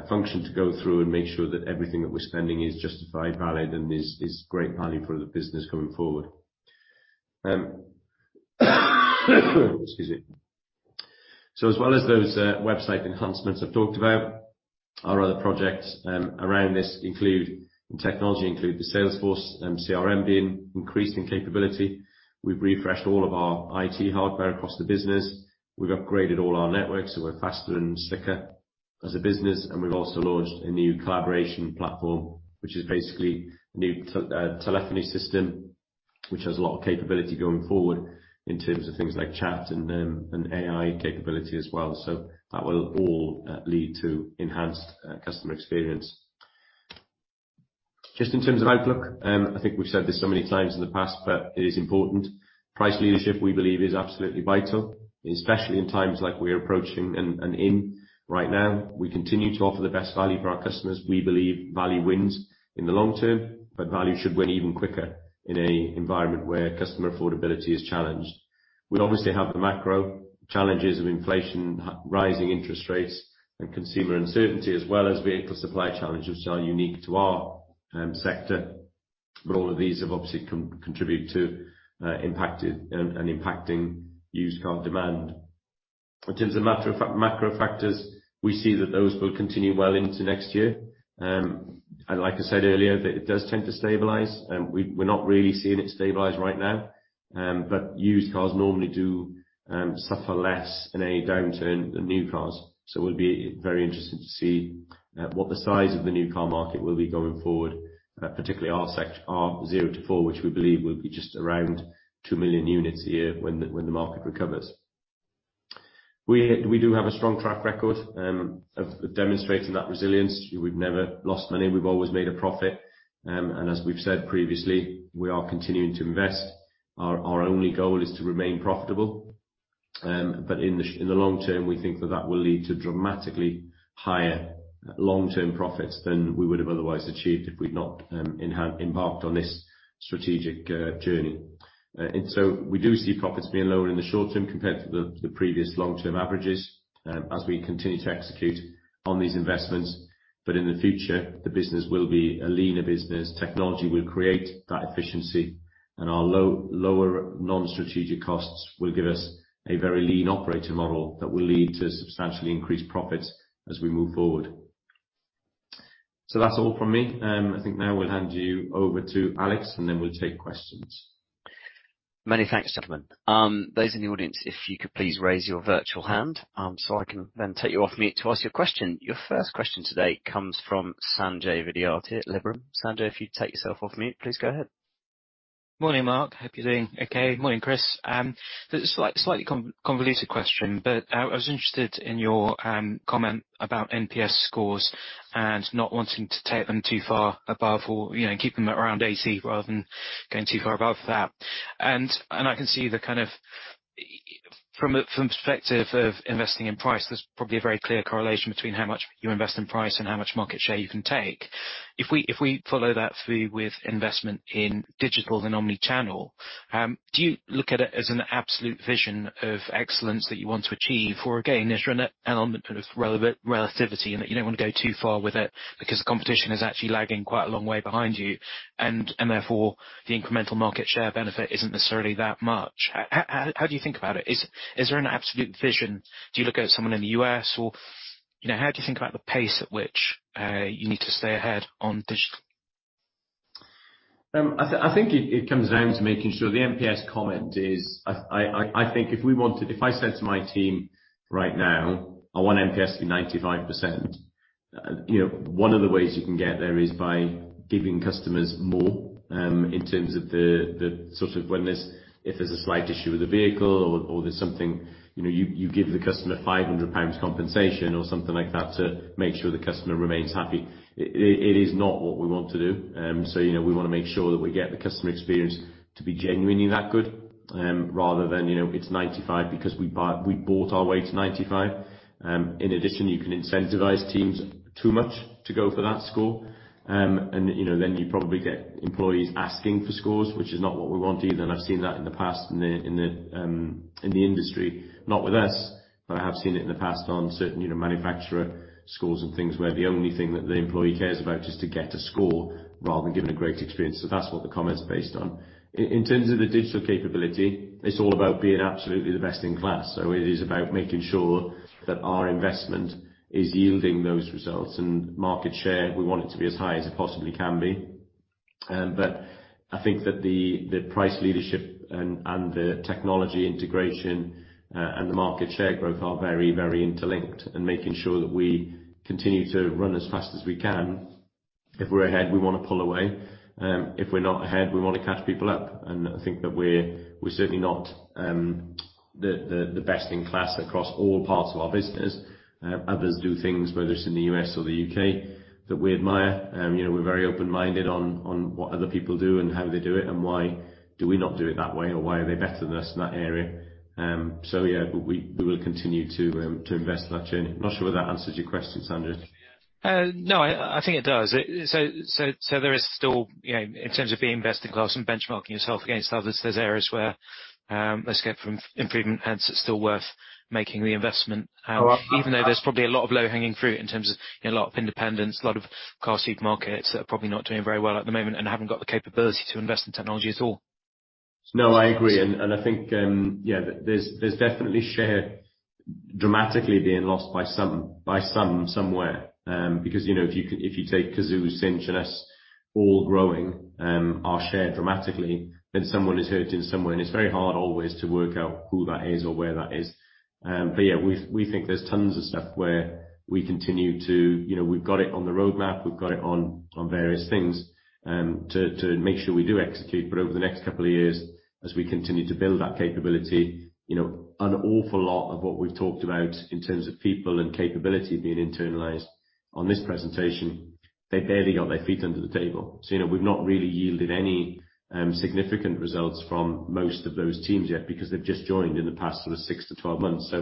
function to go through and make sure that everything that we're spending is justified, valid and is great value for the business coming forward. Excuse me. As well as those website enhancements I've talked about, our other projects around this include, and technology include the Salesforce and CRM being increased in capability. We've refreshed all of our IT hardware across the business. We've upgraded all our networks, so we're faster and slicker as a business, and we've also launched a new collaboration platform, which is basically new telephony system, which has a lot of capability going forward in terms of things like chat and AI capability as well. That will all lead to enhanced customer experience. Just in terms of outlook, I think we've said this so many times in the past, it is important. Price leadership, we believe is absolutely vital, especially in times like we're approaching and in right now. We continue to offer the best value for our customers. We believe value wins in the long term, but value should win even quicker in a environment where customer affordability is challenged. We obviously have the macro challenges of inflation, rising interest rates and consumer uncertainty, as well as vehicle supply challenges which are unique to our sector. All of these have obviously contributed to impacted and impacting used car demand. In terms of macro factors, we see that those will continue well into next year. Like I said earlier, that it does tend to stabilize. We, we're not really seeing it stabilize right now, but used cars normally do suffer less in a downturn than new cars. It'll be very interesting to see what the size of the new car market will be going forward, particularly our zero to four, which we believe will be just around 2 million units a year when the market recovers. We do have a strong track record of demonstrating that resilience. We've never lost money. We've always made a profit. As we've said previously, we are continuing to invest. Our only goal is to remain profitable. In the long term, we think that that will lead to dramatically higher long-term profits than we would have otherwise achieved if we'd not embarked on this strategic journey. We do see profits being lower in the short term compared to the previous long-term averages as we continue to execute on these investments. In the future, the business will be a leaner business. Technology will create that efficiency, and our lower non-strategic costs will give us a very lean operator model that will lead to substantially increased profits as we move forward. That's all from me. I think now we'll hand you over to Alex, and then we'll take questions. Many thanks, gentlemen. Those in the audience, if you could please raise your virtual hand, so I can then take you off mute to ask your question. Your first question today comes from Sanjay Vidyarthi at Liberum. Sanjay, if you'd take yourself off mute, please go ahead. Morning, Mark. Hope you're doing okay. Morning, Chris. This is a slightly convoluted question, but I was interested in your comment about NPS scores and not wanting to take them too far above or, you know, keep them around 80% rather than going too far above that. I can see the kind of from a perspective of investing in price, there's probably a very clear correlation between how much you invest in price and how much market share you can take. If we follow that through with investment in digital and omnichannel, do you look at it as an absolute vision of excellence that you want to achieve? Again, there's an element of relativity in that you don't wanna go too far with it. Because the competition is actually lagging quite a long way behind you, and therefore, the incremental market share benefit isn't necessarily that much. How do you think about it? Is there an absolute vision? Do you look at someone in the U.S. or, you know, how do you think about the pace at which you need to stay ahead on digital? I think it comes down to making sure the NPS comment is, I think if I said to my team right now, "I want NPS to be 95%," you know, one of the ways you can get there is by giving customers more in terms of the sort of if there's a slight issue with the vehicle or there's something, you know, you give the customer 500 (Pound Sterling) compensation or something like that to make sure the customer remains happy. It is not what we want to do. You know, we wanna make sure that we get the customer experience to be genuinely that good, rather than, you know, it's 95% because we bought our way to 95%. In addition, you can incentivize teams too much to go for that score. You know, then you probably get employees asking for scores, which is not what we want either. I've seen that in the past in the industry, not with us, but I have seen it in the past on certain, you know, manufacturer scores and things where the only thing that the employee cares about is to get a score rather than giving a great experience. That's what the comment is based on. In terms of the digital capability, it's all about being absolutely the best in class. It is about making sure that our investment is yielding those results. Market share, we want it to be as high as it possibly can be. I think that the price leadership and the technology integration and the market share growth are very interlinked and making sure that we continue to run as fast as we can. If we're ahead, we wanna pull away. If we're not ahead, we wanna catch people up. I think that we're certainly not the best in class across all parts of our business. Others do things, whether it's in the U.S. or the U.K., that we admire. You know, we're very open-minded on what other people do and how they do it, and why do we not do it that way, or why are they better than us in that area. Yeah, we will continue to invest in that journey. Not sure whether that answers your question, Sanjay. No, I think it does. There is still, you know, in terms of being best in class and benchmarking yourself against others, there's areas where, there's scope from improvement, hence it's still worth making the investment. Well- Even though there's probably a lot of low-hanging fruit in terms of, you know, a lot of independents, a lot of car supermarkets that are probably not doing very well at the moment and haven't got the capability to invest in technology at all. No, I agree. I think, yeah, there's definitely share dramatically being lost by some somewhere. Because, you know, if you take Cazoo, Cinch, and us all growing our share dramatically, then someone is hurting somewhere, and it's very hard always to work out who that is or where that is. Yeah, we think there's tons of stuff where we continue to, you know, we've got it on the roadmap, we've got it on various things to make sure we do execute. Over the next couple of years, as we continue to build that capability, you know, an awful lot of what we've talked about in terms of people and capability being internalized on this presentation, they've barely got their feet under the table. You know, we've not really yielded any significant results from most of those teams yet because they've just joined in the past sort of six to 12 months.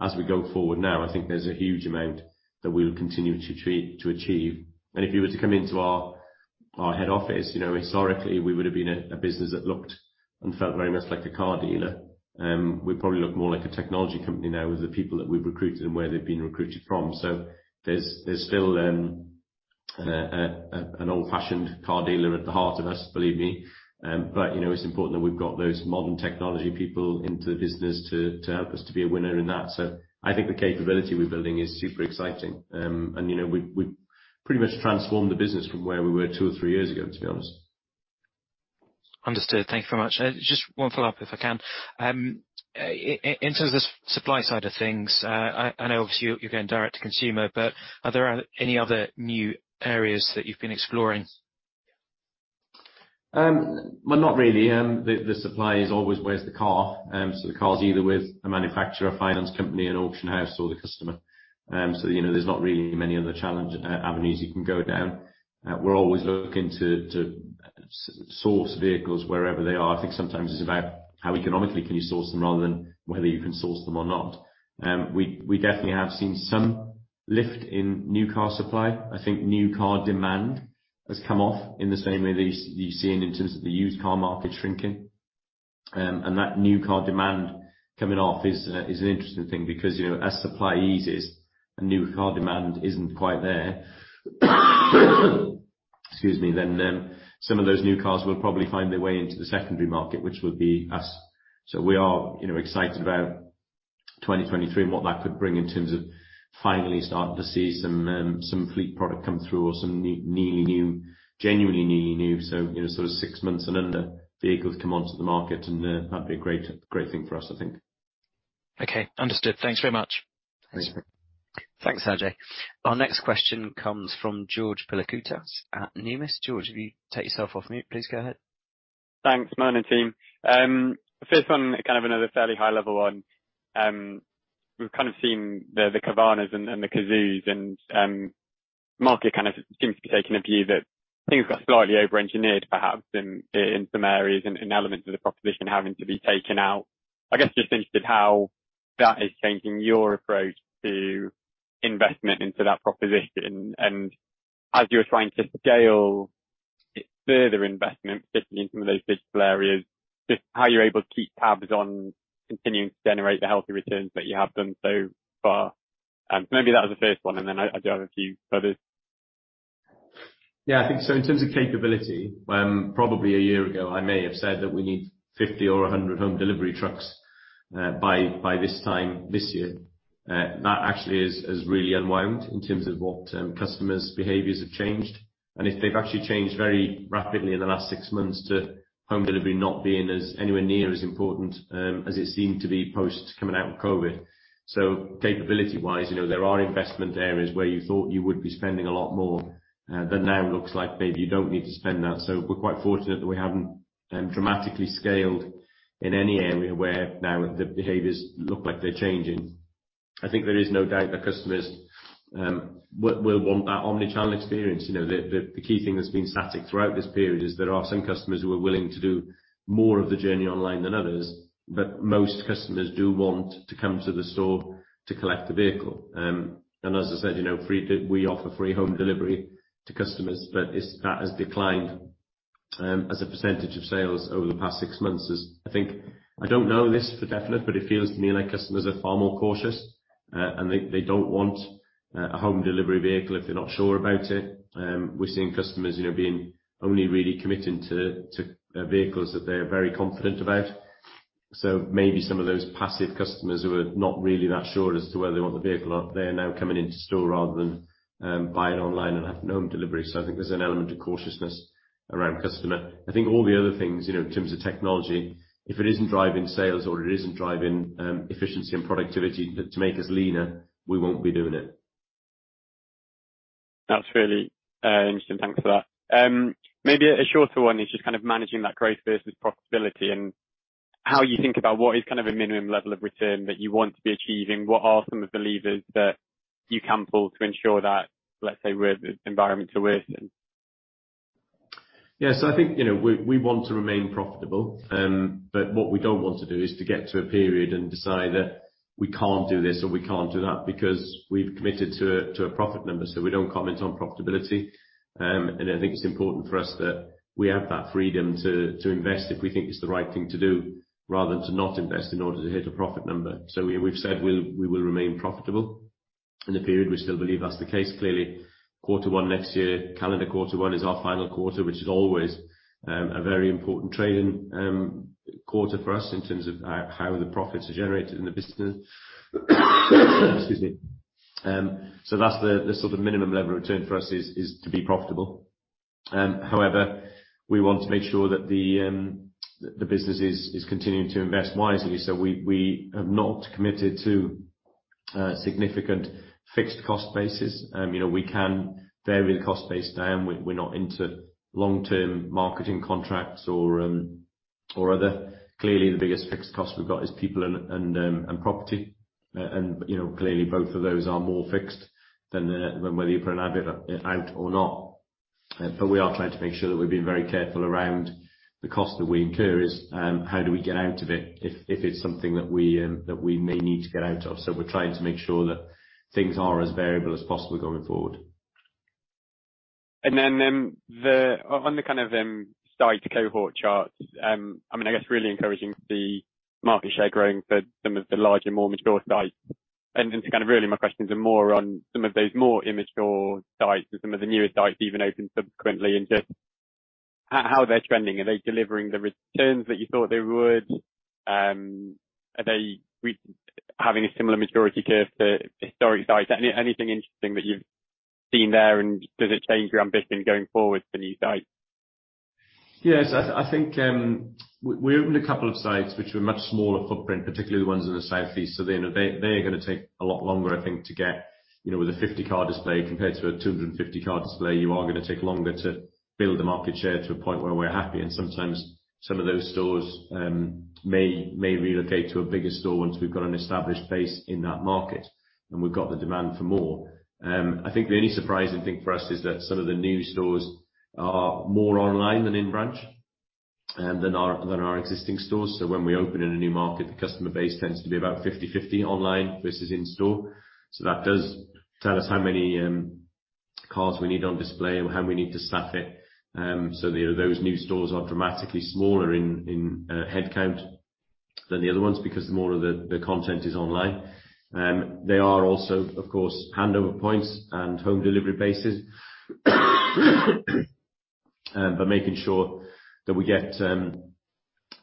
As we go forward now, I think there's a huge amount that we'll continue to achieve. If you were to come into our head office, you know, historically, we would have been a business that looked and felt very much like a car dealer. We probably look more like a technology company now with the people that we've recruited and where they've been recruited from. There's still a, an old-fashioned car dealer at the heart of us, believe me. You know, it's important that we've got those modern technology people into the business to help us to be a winner in that. I think the capability we're building is super exciting. You know, we've pretty much transformed the business from where we were two or three years ago, to be honest. Understood. Thank you very much. Just one follow-up, if I can. In terms of supply side of things, I know obviously you're going direct to consumer, but are there any other new areas that you've been exploring? Well, not really. The supply is always where's the car. The car's either with a manufacturer, a finance company, an auction house, or the customer. You know, there's not really many other challenge avenues you can go down. We're always looking to source vehicles wherever they are. I think sometimes it's about how economically can you source them rather than whether you can source them or not. We definitely have seen some lift in new car supply. I think new car demand has come off in the same way that you're seeing in terms of the used car market shrinking. That new car demand coming off is an interesting thing because, you know, as supply eases and new car demand isn't quite there, excuse me, then, some of those new cars will probably find their way into the secondary market, which would be us. We are, you know, excited about 2023 and what that could bring in terms of finally starting to see some fleet product come through or some nearly new, genuinely nearly new. You know, sort of six months and under vehicles come onto the market, and that'd be a great thing for us, I think. Okay. Understood. Thanks very much. Thanks. Thanks, Sanjay. Our next question comes from George Pilakoutas at Numis. George, if you take yourself off mute, please go ahead. Thanks, morning team. First one, kind of another fairly high-level one. We've kind of seen the Carvanas and the Cazoos, and market kind of seems to be taking a view that things got slightly overengineered perhaps in some areas and in elements of the proposition having to be taken out. I guess just interested how that is changing your approach to investment into that proposition. As you're trying to scale further investment, particularly in some of those digital areas, just how you're able to keep tabs on continuing to generate the healthy returns that you have done so far. Maybe that was the first one, and then I do have a few others. Yeah, I think so in terms of capability, probably a year ago, I may have said that we need 50 or 100 home delivery trucks, by this time this year. That actually has really unwound in terms of what customers' behaviors have changed. If they've actually changed very rapidly in the last six months to home delivery not being anywhere near as important, as it seemed to be post coming out of COVID. Capability wise, you know, there are investment areas where you thought you would be spending a lot more, that now looks like maybe you don't need to spend that. We're quite fortunate that we haven't dramatically scaled in any area where now the behaviors look like they're changing. I think there is no doubt that customers will want that omnichannel experience. You know, the key thing that's been static throughout this period is there are some customers who are willing to do more of the journey online than others. Most customers do want to come to the store to collect the vehicle. As I said, you know, we offer free home delivery to customers, but that has declined as a percentage of sales over the past six months as I think, I don't know this for definite, but it feels to me like customers are far more cautious, and they don't want a home delivery vehicle if they're not sure about it. We're seeing customers, you know, being only really committing to vehicles that they're very confident about. Maybe some of those passive customers who are not really that sure as to whether they want the vehicle or not, they're now coming into store rather than buying online and having home delivery. I think there's an element of cautiousness around customer. I think all the other things, you know, in terms of technology, if it isn't driving sales or it isn't driving efficiency and productivity to make us leaner, we won't be doing it. That's really interesting. Thanks for that. Maybe a shorter one is just kind of managing that growth versus profitability and how you think about what is kind of a minimum level of return that you want to be achieving. What are some of the levers that you can pull to ensure that, let's say we're in the environment to worsen? I think, you know, we want to remain profitable. But what we don't want to do is to get to a period and decide that we can't do this or we can't do that because we've committed to a profit number, so we don't comment on profitability. I think it's important for us that we have that freedom to invest if we think it's the right thing to do rather than to not invest in order to hit a profit number. We've said we will remain profitable in the period. We still believe that's the case. Clearly, quarter one next year, calendar quarter one is our final quarter, which is always a very important trading quarter for us in terms of how the profits are generated in the business. Excuse me. That's the sort of minimum level of return for us is to be profitable. However, we want to make sure that the business is continuing to invest wisely. We have not committed to significant fixed cost basis. You know, we can vary the cost base down. We're not into long-term marketing contracts or other. Clearly, the biggest fixed cost we've got is people and property. You know, clearly both of those are more fixed than whether you put an ad out or not. We are trying to make sure that we're being very careful around the cost that we incur is how do we get out of it if it's something that we that we may need to get out of. We're trying to make sure that things are as variable as possible going forward. On the kind of site cohort charts, I mean, I guess really encouraging to see market share growing for some of the larger, more mature sites. To kind of really my questions are more on some of those more immature sites or some of the newer sites even opened subsequently and just how they're trending. Are they delivering the returns that you thought they would? Are they having a similar maturity curve to historic sites? Anything interesting that you've seen there, and does it change your ambition going forward for new sites? Yes. I think we opened a couple of sites which were much smaller footprint, particularly the ones in the Southeast. They, you know, they are gonna take a lot longer, I think, to get, you know, with a 50-car display compared to a 250-car display, you are gonna take longer to build the market share to a point where we're happy. Sometimes some of those stores may relocate to a bigger store once we've got an established base in that market, and we've got the demand for more. I think the only surprising thing for us is that some of the new stores are more online than in branch than our existing stores. When we open in a new market, the customer base tends to be about 50/50 online versus in store. That does tell us how many cars we need on display or how we need to staff it. You know, those new stores are dramatically smaller in headcount than the other ones because more of the content is online. They are also, of course, handover points and home delivery bases. Making sure that we get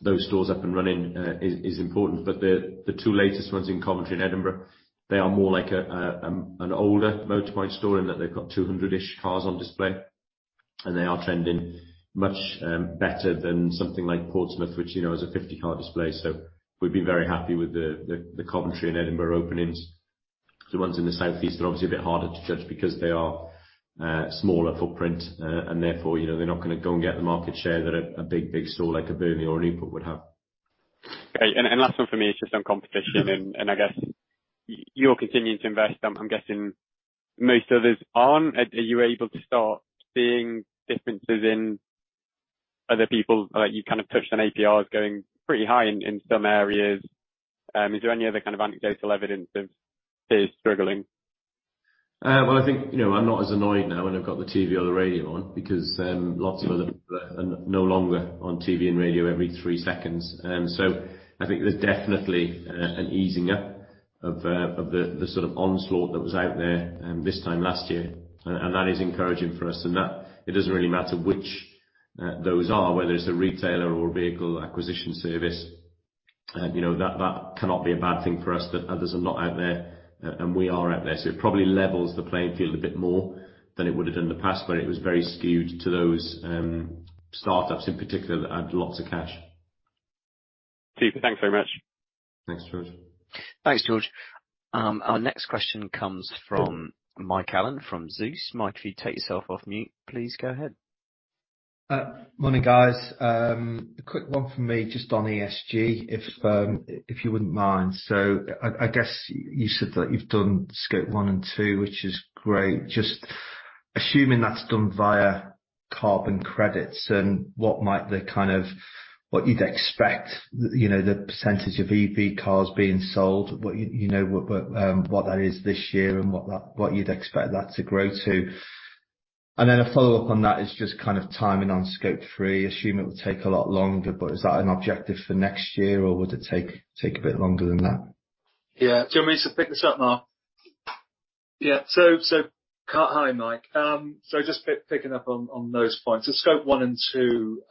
those stores up and running is important. The two latest ones in Coventry and Edinburgh, they are more like an older Motorpoint store in that they've got 200-ish cars on display, and they are trending much better than something like Portsmouth, which, you know, is a 50-car display. We'd be very happy with the Coventry and Edinburgh openings. The ones in the Southeast are obviously a bit harder to judge because they are smaller footprint. Therefore, you know, they're not gonna go and get the market share that a big store like a Burnley or an Newport would have. Great. Last one for me is just on competition and I guess you're continuing to invest. I'm guessing most others aren't. Are you able to start seeing differences? Other people, like you kind of touched on APR is going pretty high in some areas. Is there any other kind of anecdotal evidence of peers struggling? Well, I think, you know, I'm not as annoyed now when I've got the TV or the radio on because lots of other people are no longer on TV and radio every three seconds. I think there's definitely an easing up of the sort of onslaught that was out there this time last year. That is encouraging for us. That it doesn't really matter which those are, whether it's a retailer or a vehicle acquisition service. You know, that cannot be a bad thing for us that others are not out there and we are out there. It probably levels the playing field a bit more than it would've done in the past, where it was very skewed to those startups in particular that had lots of cash. Super. Thanks very much. Thanks, George. Thanks, George. Our next question comes from Mike Allen from Zeus. Mike, if you take yourself off mute, please go ahead. Morning, guys. A quick one for me just on ESG, if you wouldn't mind. I guess you said that you've done Scope 1 and 2, which is great. Just assuming that's done via carbon credits, what you'd expect, you know, the % of EV cars being sold, what you know, what that is this year and what you'd expect that to grow to. A follow-up on that is just kind of timing on Scope 3. Assume it will take a lot longer, but is that an objective for next year, or would it take a bit longer than that? Yeah. Do you want me to pick this up, Chris? Yeah. Hi, Mike. Just picking up on those points. Scope 1 and 2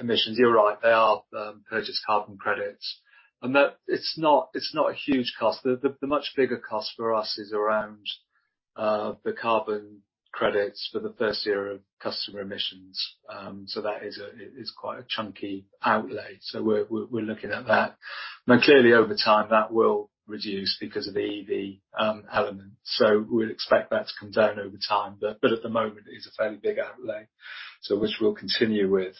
emissions, you're right. They are purchased carbon credits, and that it's not, it's not a huge cost. The much bigger cost for us is around the carbon credits for the first year of customer emissions. That is quite a chunky outlay. We're looking at that. Now, clearly, over time, that will reduce because of the EV element. We'd expect that to come down over time. But at the moment, it is a fairly big outlay, which we'll continue with.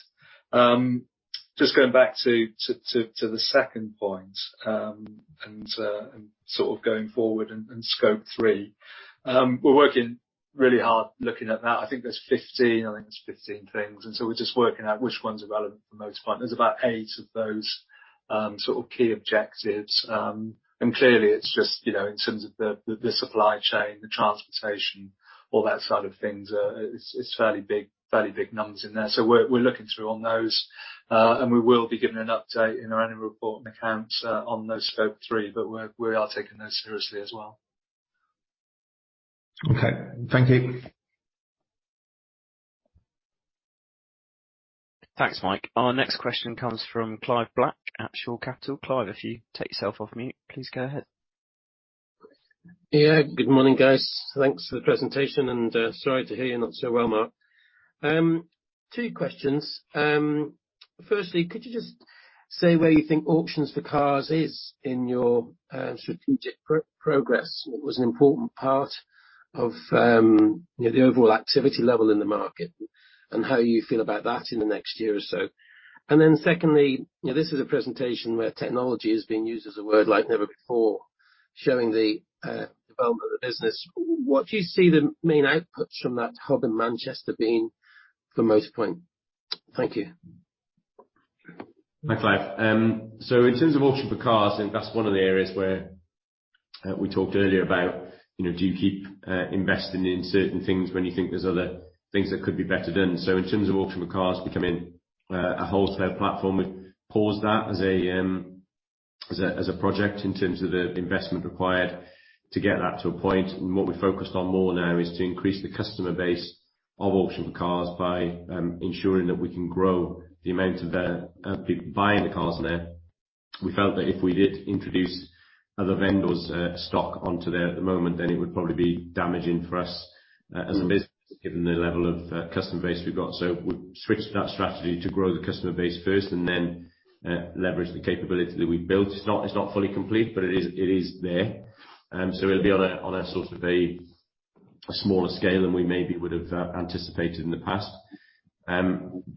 Just going back to the second point, going forward and Scope 3. We're working really hard looking at that. I think there's 15 things. We're just working out which ones are relevant for most part. There's about eight of those sort of key objectives. Clearly it's just, you know, in terms of the supply chain, the transportation, all that side of things, it's fairly big numbers in there. We're looking through on those. We will be giving an update in our annual report and accounts on those Scope 3, but we are taking those seriously as well. Okay. Thank you. Thanks, Mike. Our next question comes from Clive Black at Shore Capital. Clive, if you take yourself off mute, please go ahead. Yeah. Good morning, guys. Thanks for the presentation and, sorry to hear you're not so well, Mark. Two questions. Firstly, could you just say where you think Auctions4Cars is in your strategic progress? It was an important part of, you know, the overall activity level in the market and how you feel about that in the next year or so. Secondly, you know, this is a presentation where technology is being used as a word like never before, showing the development of the business. What do you see the main outputs from that hub in Manchester being for Motorpoint? Thank you. Hi, Clive. In terms of Auction4Cars.com, I think that's one of the areas where we talked earlier about, you know, do you keep investing in certain things when you think there's other things that could be better done? In terms of Auction4Cars.com becoming a wholesale platform, we've paused that as a project in terms of the investment required to get that to a point. What we're focused on more now is to increase the customer base of Auction4Cars.com by ensuring that we can grow the amount of people buying the cars there. We felt that if we did introduce other vendors' stock onto there at the moment, then it would probably be damaging for us as a business, given the level of customer base we've got. We've switched that strategy to grow the customer base first and then leverage the capability that we've built. It's not fully complete, but it is there. It'll be on a sort of a smaller scale than we maybe would have anticipated in the past.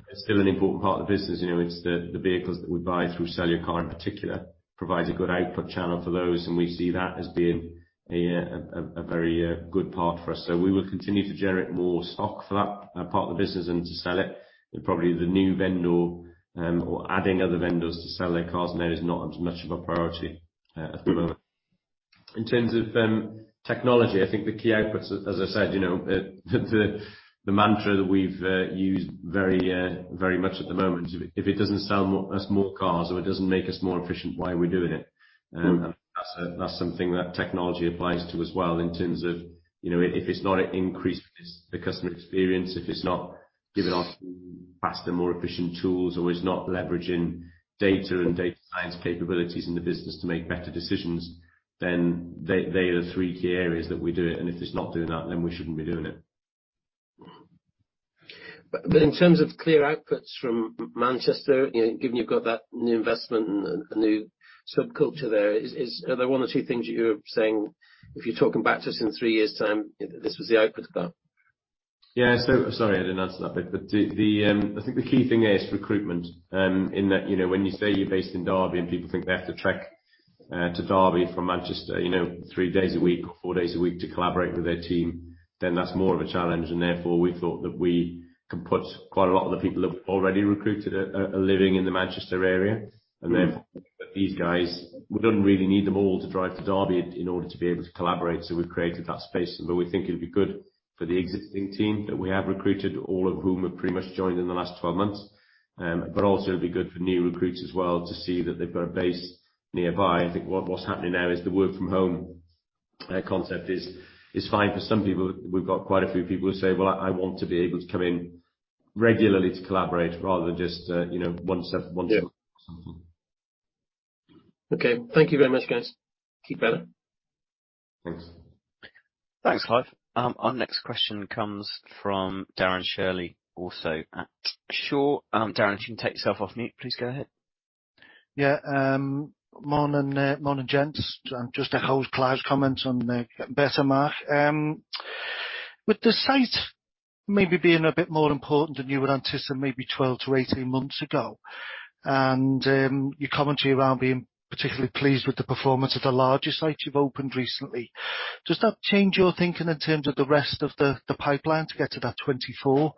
It's still an important part of the business. You know, it's the vehicles that we buy through Sell Your Car in particular provides a good output channel for those, and we see that as being a very good part for us. We will continue to generate more stock for that part of the business and to sell it. Probably the new vendor, or adding other vendors to sell their cars in there is not as much of a priority at the moment. In terms of technology, I think the key outputs, as I said, you know, the mantra that we've used very, very much at the moment, if it doesn't sell us more cars or it doesn't make us more efficient, why are we doing it? That's something that technology applies to as well in terms of, you know, if it's not increasing the customer experience, if it's not giving us faster, more efficient tools, or it's not leveraging data and data science capabilities in the business to make better decisions, then they are the three key areas that we do it. If it's not doing that, then we shouldn't be doing it. In terms of clear outputs from Manchester, you know, given you've got that new investment and a new subculture there, are there one or two things you're saying if you're talking back to us in three years' time, this was the output of that? Yeah. Sorry I didn't answer that bit. The key thing is recruitment, in that, you know, when you say you're based in Derby and people think they have to trek to Derby from Manchester, you know, three days a week or four days a week to collaborate with their team, then that's more of a challenge. Therefore, we thought that we can put quite a lot of the people that we've already recruited, are living in the Manchester area. Then these guys, we don't really need them all to drive to Derby in order to be able to collaborate. We've created that space. We think it'll be good for the existing team that we have recruited, all of whom have pretty much joined in the last 12 months. Also it'll be good for new recruits as well, to see that they've got a base nearby. I think what's happening now is the work from home concept is fine for some people. We've got quite a few people who say, "Well, I want to be able to come in regularly to collaborate rather than just, you know, once every once in a month. Yeah. Okay. Thank you very much, guys. Keep well. Thanks. Thanks, Clive. Our next question comes from Darren Shirley, also at Shore. Darren, if you can take yourself off mute, please go ahead. Yeah. Morning, morning, gents. Just to house Clive's comment on the better, Mark. With the site maybe being a bit more important than you would anticipate maybe 12-18 months ago, you commentary around being particularly pleased with the performance of the larger sites you've opened recently, does that change your thinking in terms of the rest of the pipeline to get to that 24?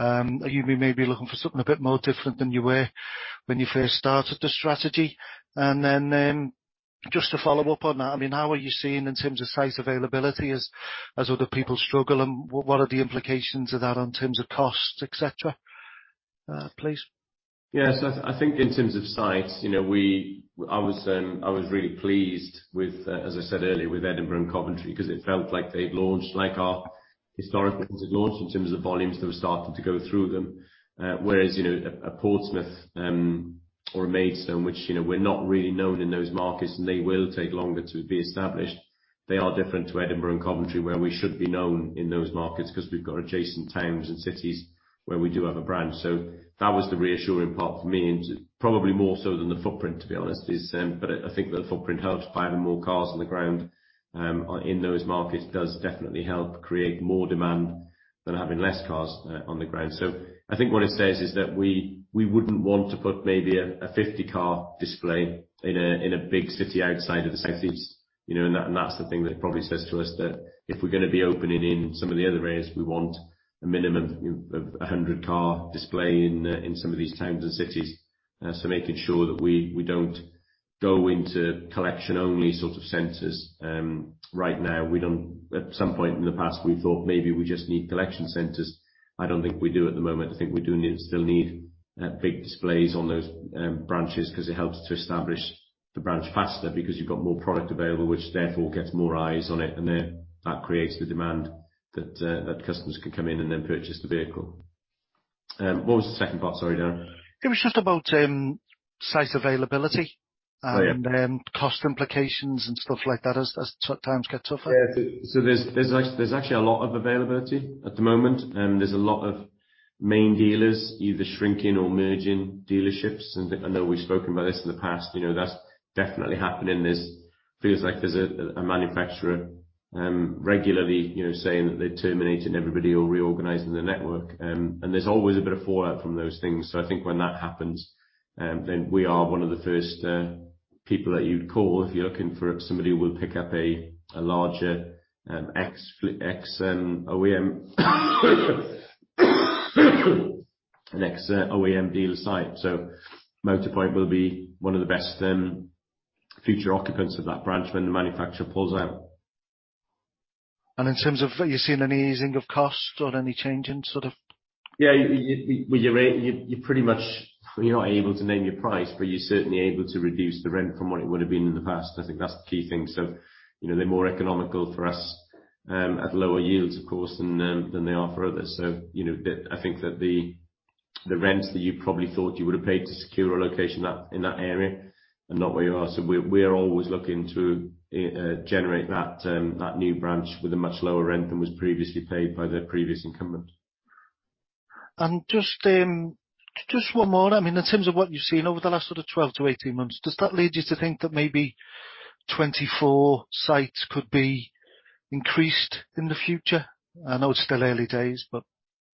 Are you maybe looking for something a bit more different than you were when you first started the strategy? Just to follow up on that, I mean, how are you seeing in terms of site availability as other people struggle, and what are the implications of that in terms of costs, et cetera? Please. Yes. I think in terms of sites, you know, I was really pleased with, as I said earlier, with Edinburgh and Coventry because it felt like they'd launched like our historic business had launched in terms of volumes that were starting to go through them. Whereas, you know, a Portsmouth or Maidstone, which, you know, we're not really known in those markets, and they will take longer to be established. They are different to Edinburgh and Coventry, where we should be known in those markets 'cause we've got adjacent towns and cities where we do have a branch. That was the reassuring part for me, and probably more so than the footprint, to be honest. I think the footprint helps by having more cars on the ground in those markets does definitely help create more demand than having less cars on the ground. I think what it says is that we wouldn't want to put maybe a 50-car display in a big city outside of the Southeast. You know, that's the thing that it probably says to us, that if we're gonna be opening in some of the other areas, we want a minimum of a 100-car display in some of these towns and cities. Making sure that we don't go into collection only sort of centers. Right now, at some point in the past, we thought maybe we just need collection centers. I don't think we do at the moment. I think we do need, still need, big displays on those branches 'cause it helps to establish the branch faster because you've got more product available, which therefore gets more eyes on it, and then that creates the demand that customers can come in and then purchase the vehicle. What was the second part? Sorry, Darren. It was just about, site availability. Oh, yeah. Cost implications and stuff like that as times get tougher. Yeah. There's actually a lot of availability at the moment, and there's a lot of main dealers either shrinking or merging dealerships. I know we've spoken about this in the past, you know, that's definitely happening. Feels like there's a manufacturer regularly, you know, saying that they're terminating everybody or reorganizing their network, and there's always a bit of fallout from those things. I think when that happens, we are one of the first people that you'd call if you're looking for somebody who will pick up a larger ex-OEM dealer site. Motorpoint will be one of the best future occupants of that branch when the manufacturer pulls out. In terms of, are you seeing any easing of cost or any change in sort of- Yeah. You pretty much, you're not able to name your price, but you're certainly able to reduce the rent from what it would've been in the past. I think that's the key thing. You know, they're more economical for us, at lower yields, of course, than they are for others. You know, I think that the rents that you probably thought you would have paid to secure a location that, in that area are not where you are. We are always looking to generate that new branch with a much lower rent than was previously paid by the previous incumbent. Just one more. I mean, in terms of what you've seen over the last sort of 12-18 months, does that lead you to think that maybe 24 sites could be increased in the future? I know it's still early days, but.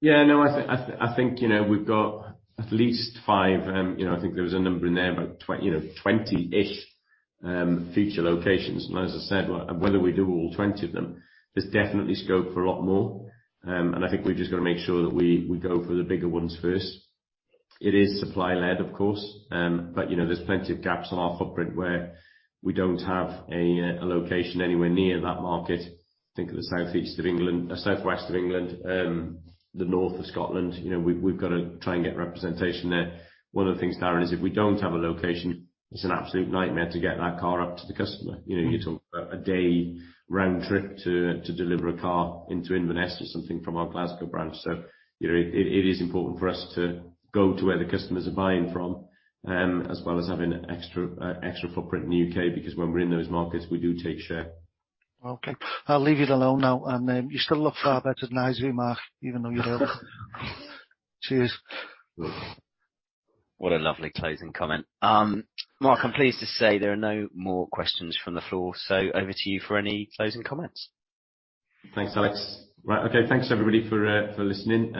Yeah. No, I think, you know, we've got at least five, you know, I think there was a number in there, about 20-ish, future locations. As I said, whether we do all 20 of them, there's definitely scope for a lot more. I think we've just gotta make sure that we go for the bigger ones first. It is supply-led, of course. You know, there's plenty of gaps on our footprint where we don't have a location anywhere near that market. Think of the Southeast of England, Southwest of England, the North of Scotland. You know, we've gotta try and get representation there. One of the things, Darren, is if we don't have a location, it's an absolute nightmare to get that car up to the customer. You know, you're talking about a day round trip to deliver a car into Inverness or something from our Glasgow branch. You know, it is important for us to go to where the customers are buying from, as well as having extra footprint in the U.K., because when we're in those markets, we do take share. Okay. I'll leave it alone now. You still look far better than I see, Mark, even though you're ill. Cheers. Mm-hmm. What a lovely closing comment. Mark, I'm pleased to say there are no more questions from the floor, so over to you for any closing comments. Thanks, Alex. Right. Okay. Thanks, everybody for listening.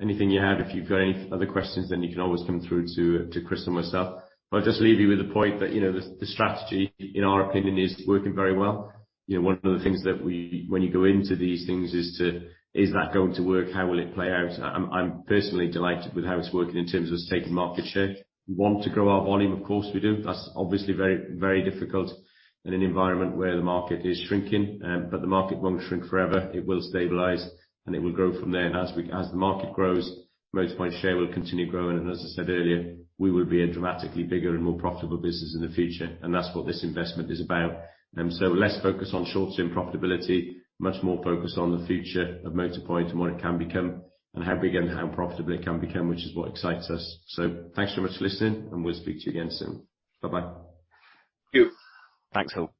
Anything you have, if you've got any other questions, then you can always come through to Chris or myself. I'll just leave you with the point that, you know, the strategy, in our opinion, is working very well. You know, one of the things that when you go into these things is to, is that going to work? How will it play out? I'm personally delighted with how it's working in terms of us taking market share. We want to grow our volume, of course we do. That's obviously very, very difficult in an environment where the market is shrinking. The market won't shrink forever. It will stabilize, and it will grow from there. As the market grows, Motorpoint's share will continue growing. As I said earlier, we will be a dramatically bigger and more profitable business in the future, and that's what this investment is about. Less focus on short-term profitability, much more focused on the future of Motorpoint and what it can become and how big and how profitable it can become, which is what excites us. Thanks so much for listening, and we'll speak to you again soon. Bye-bye. Thank you. Thanks all.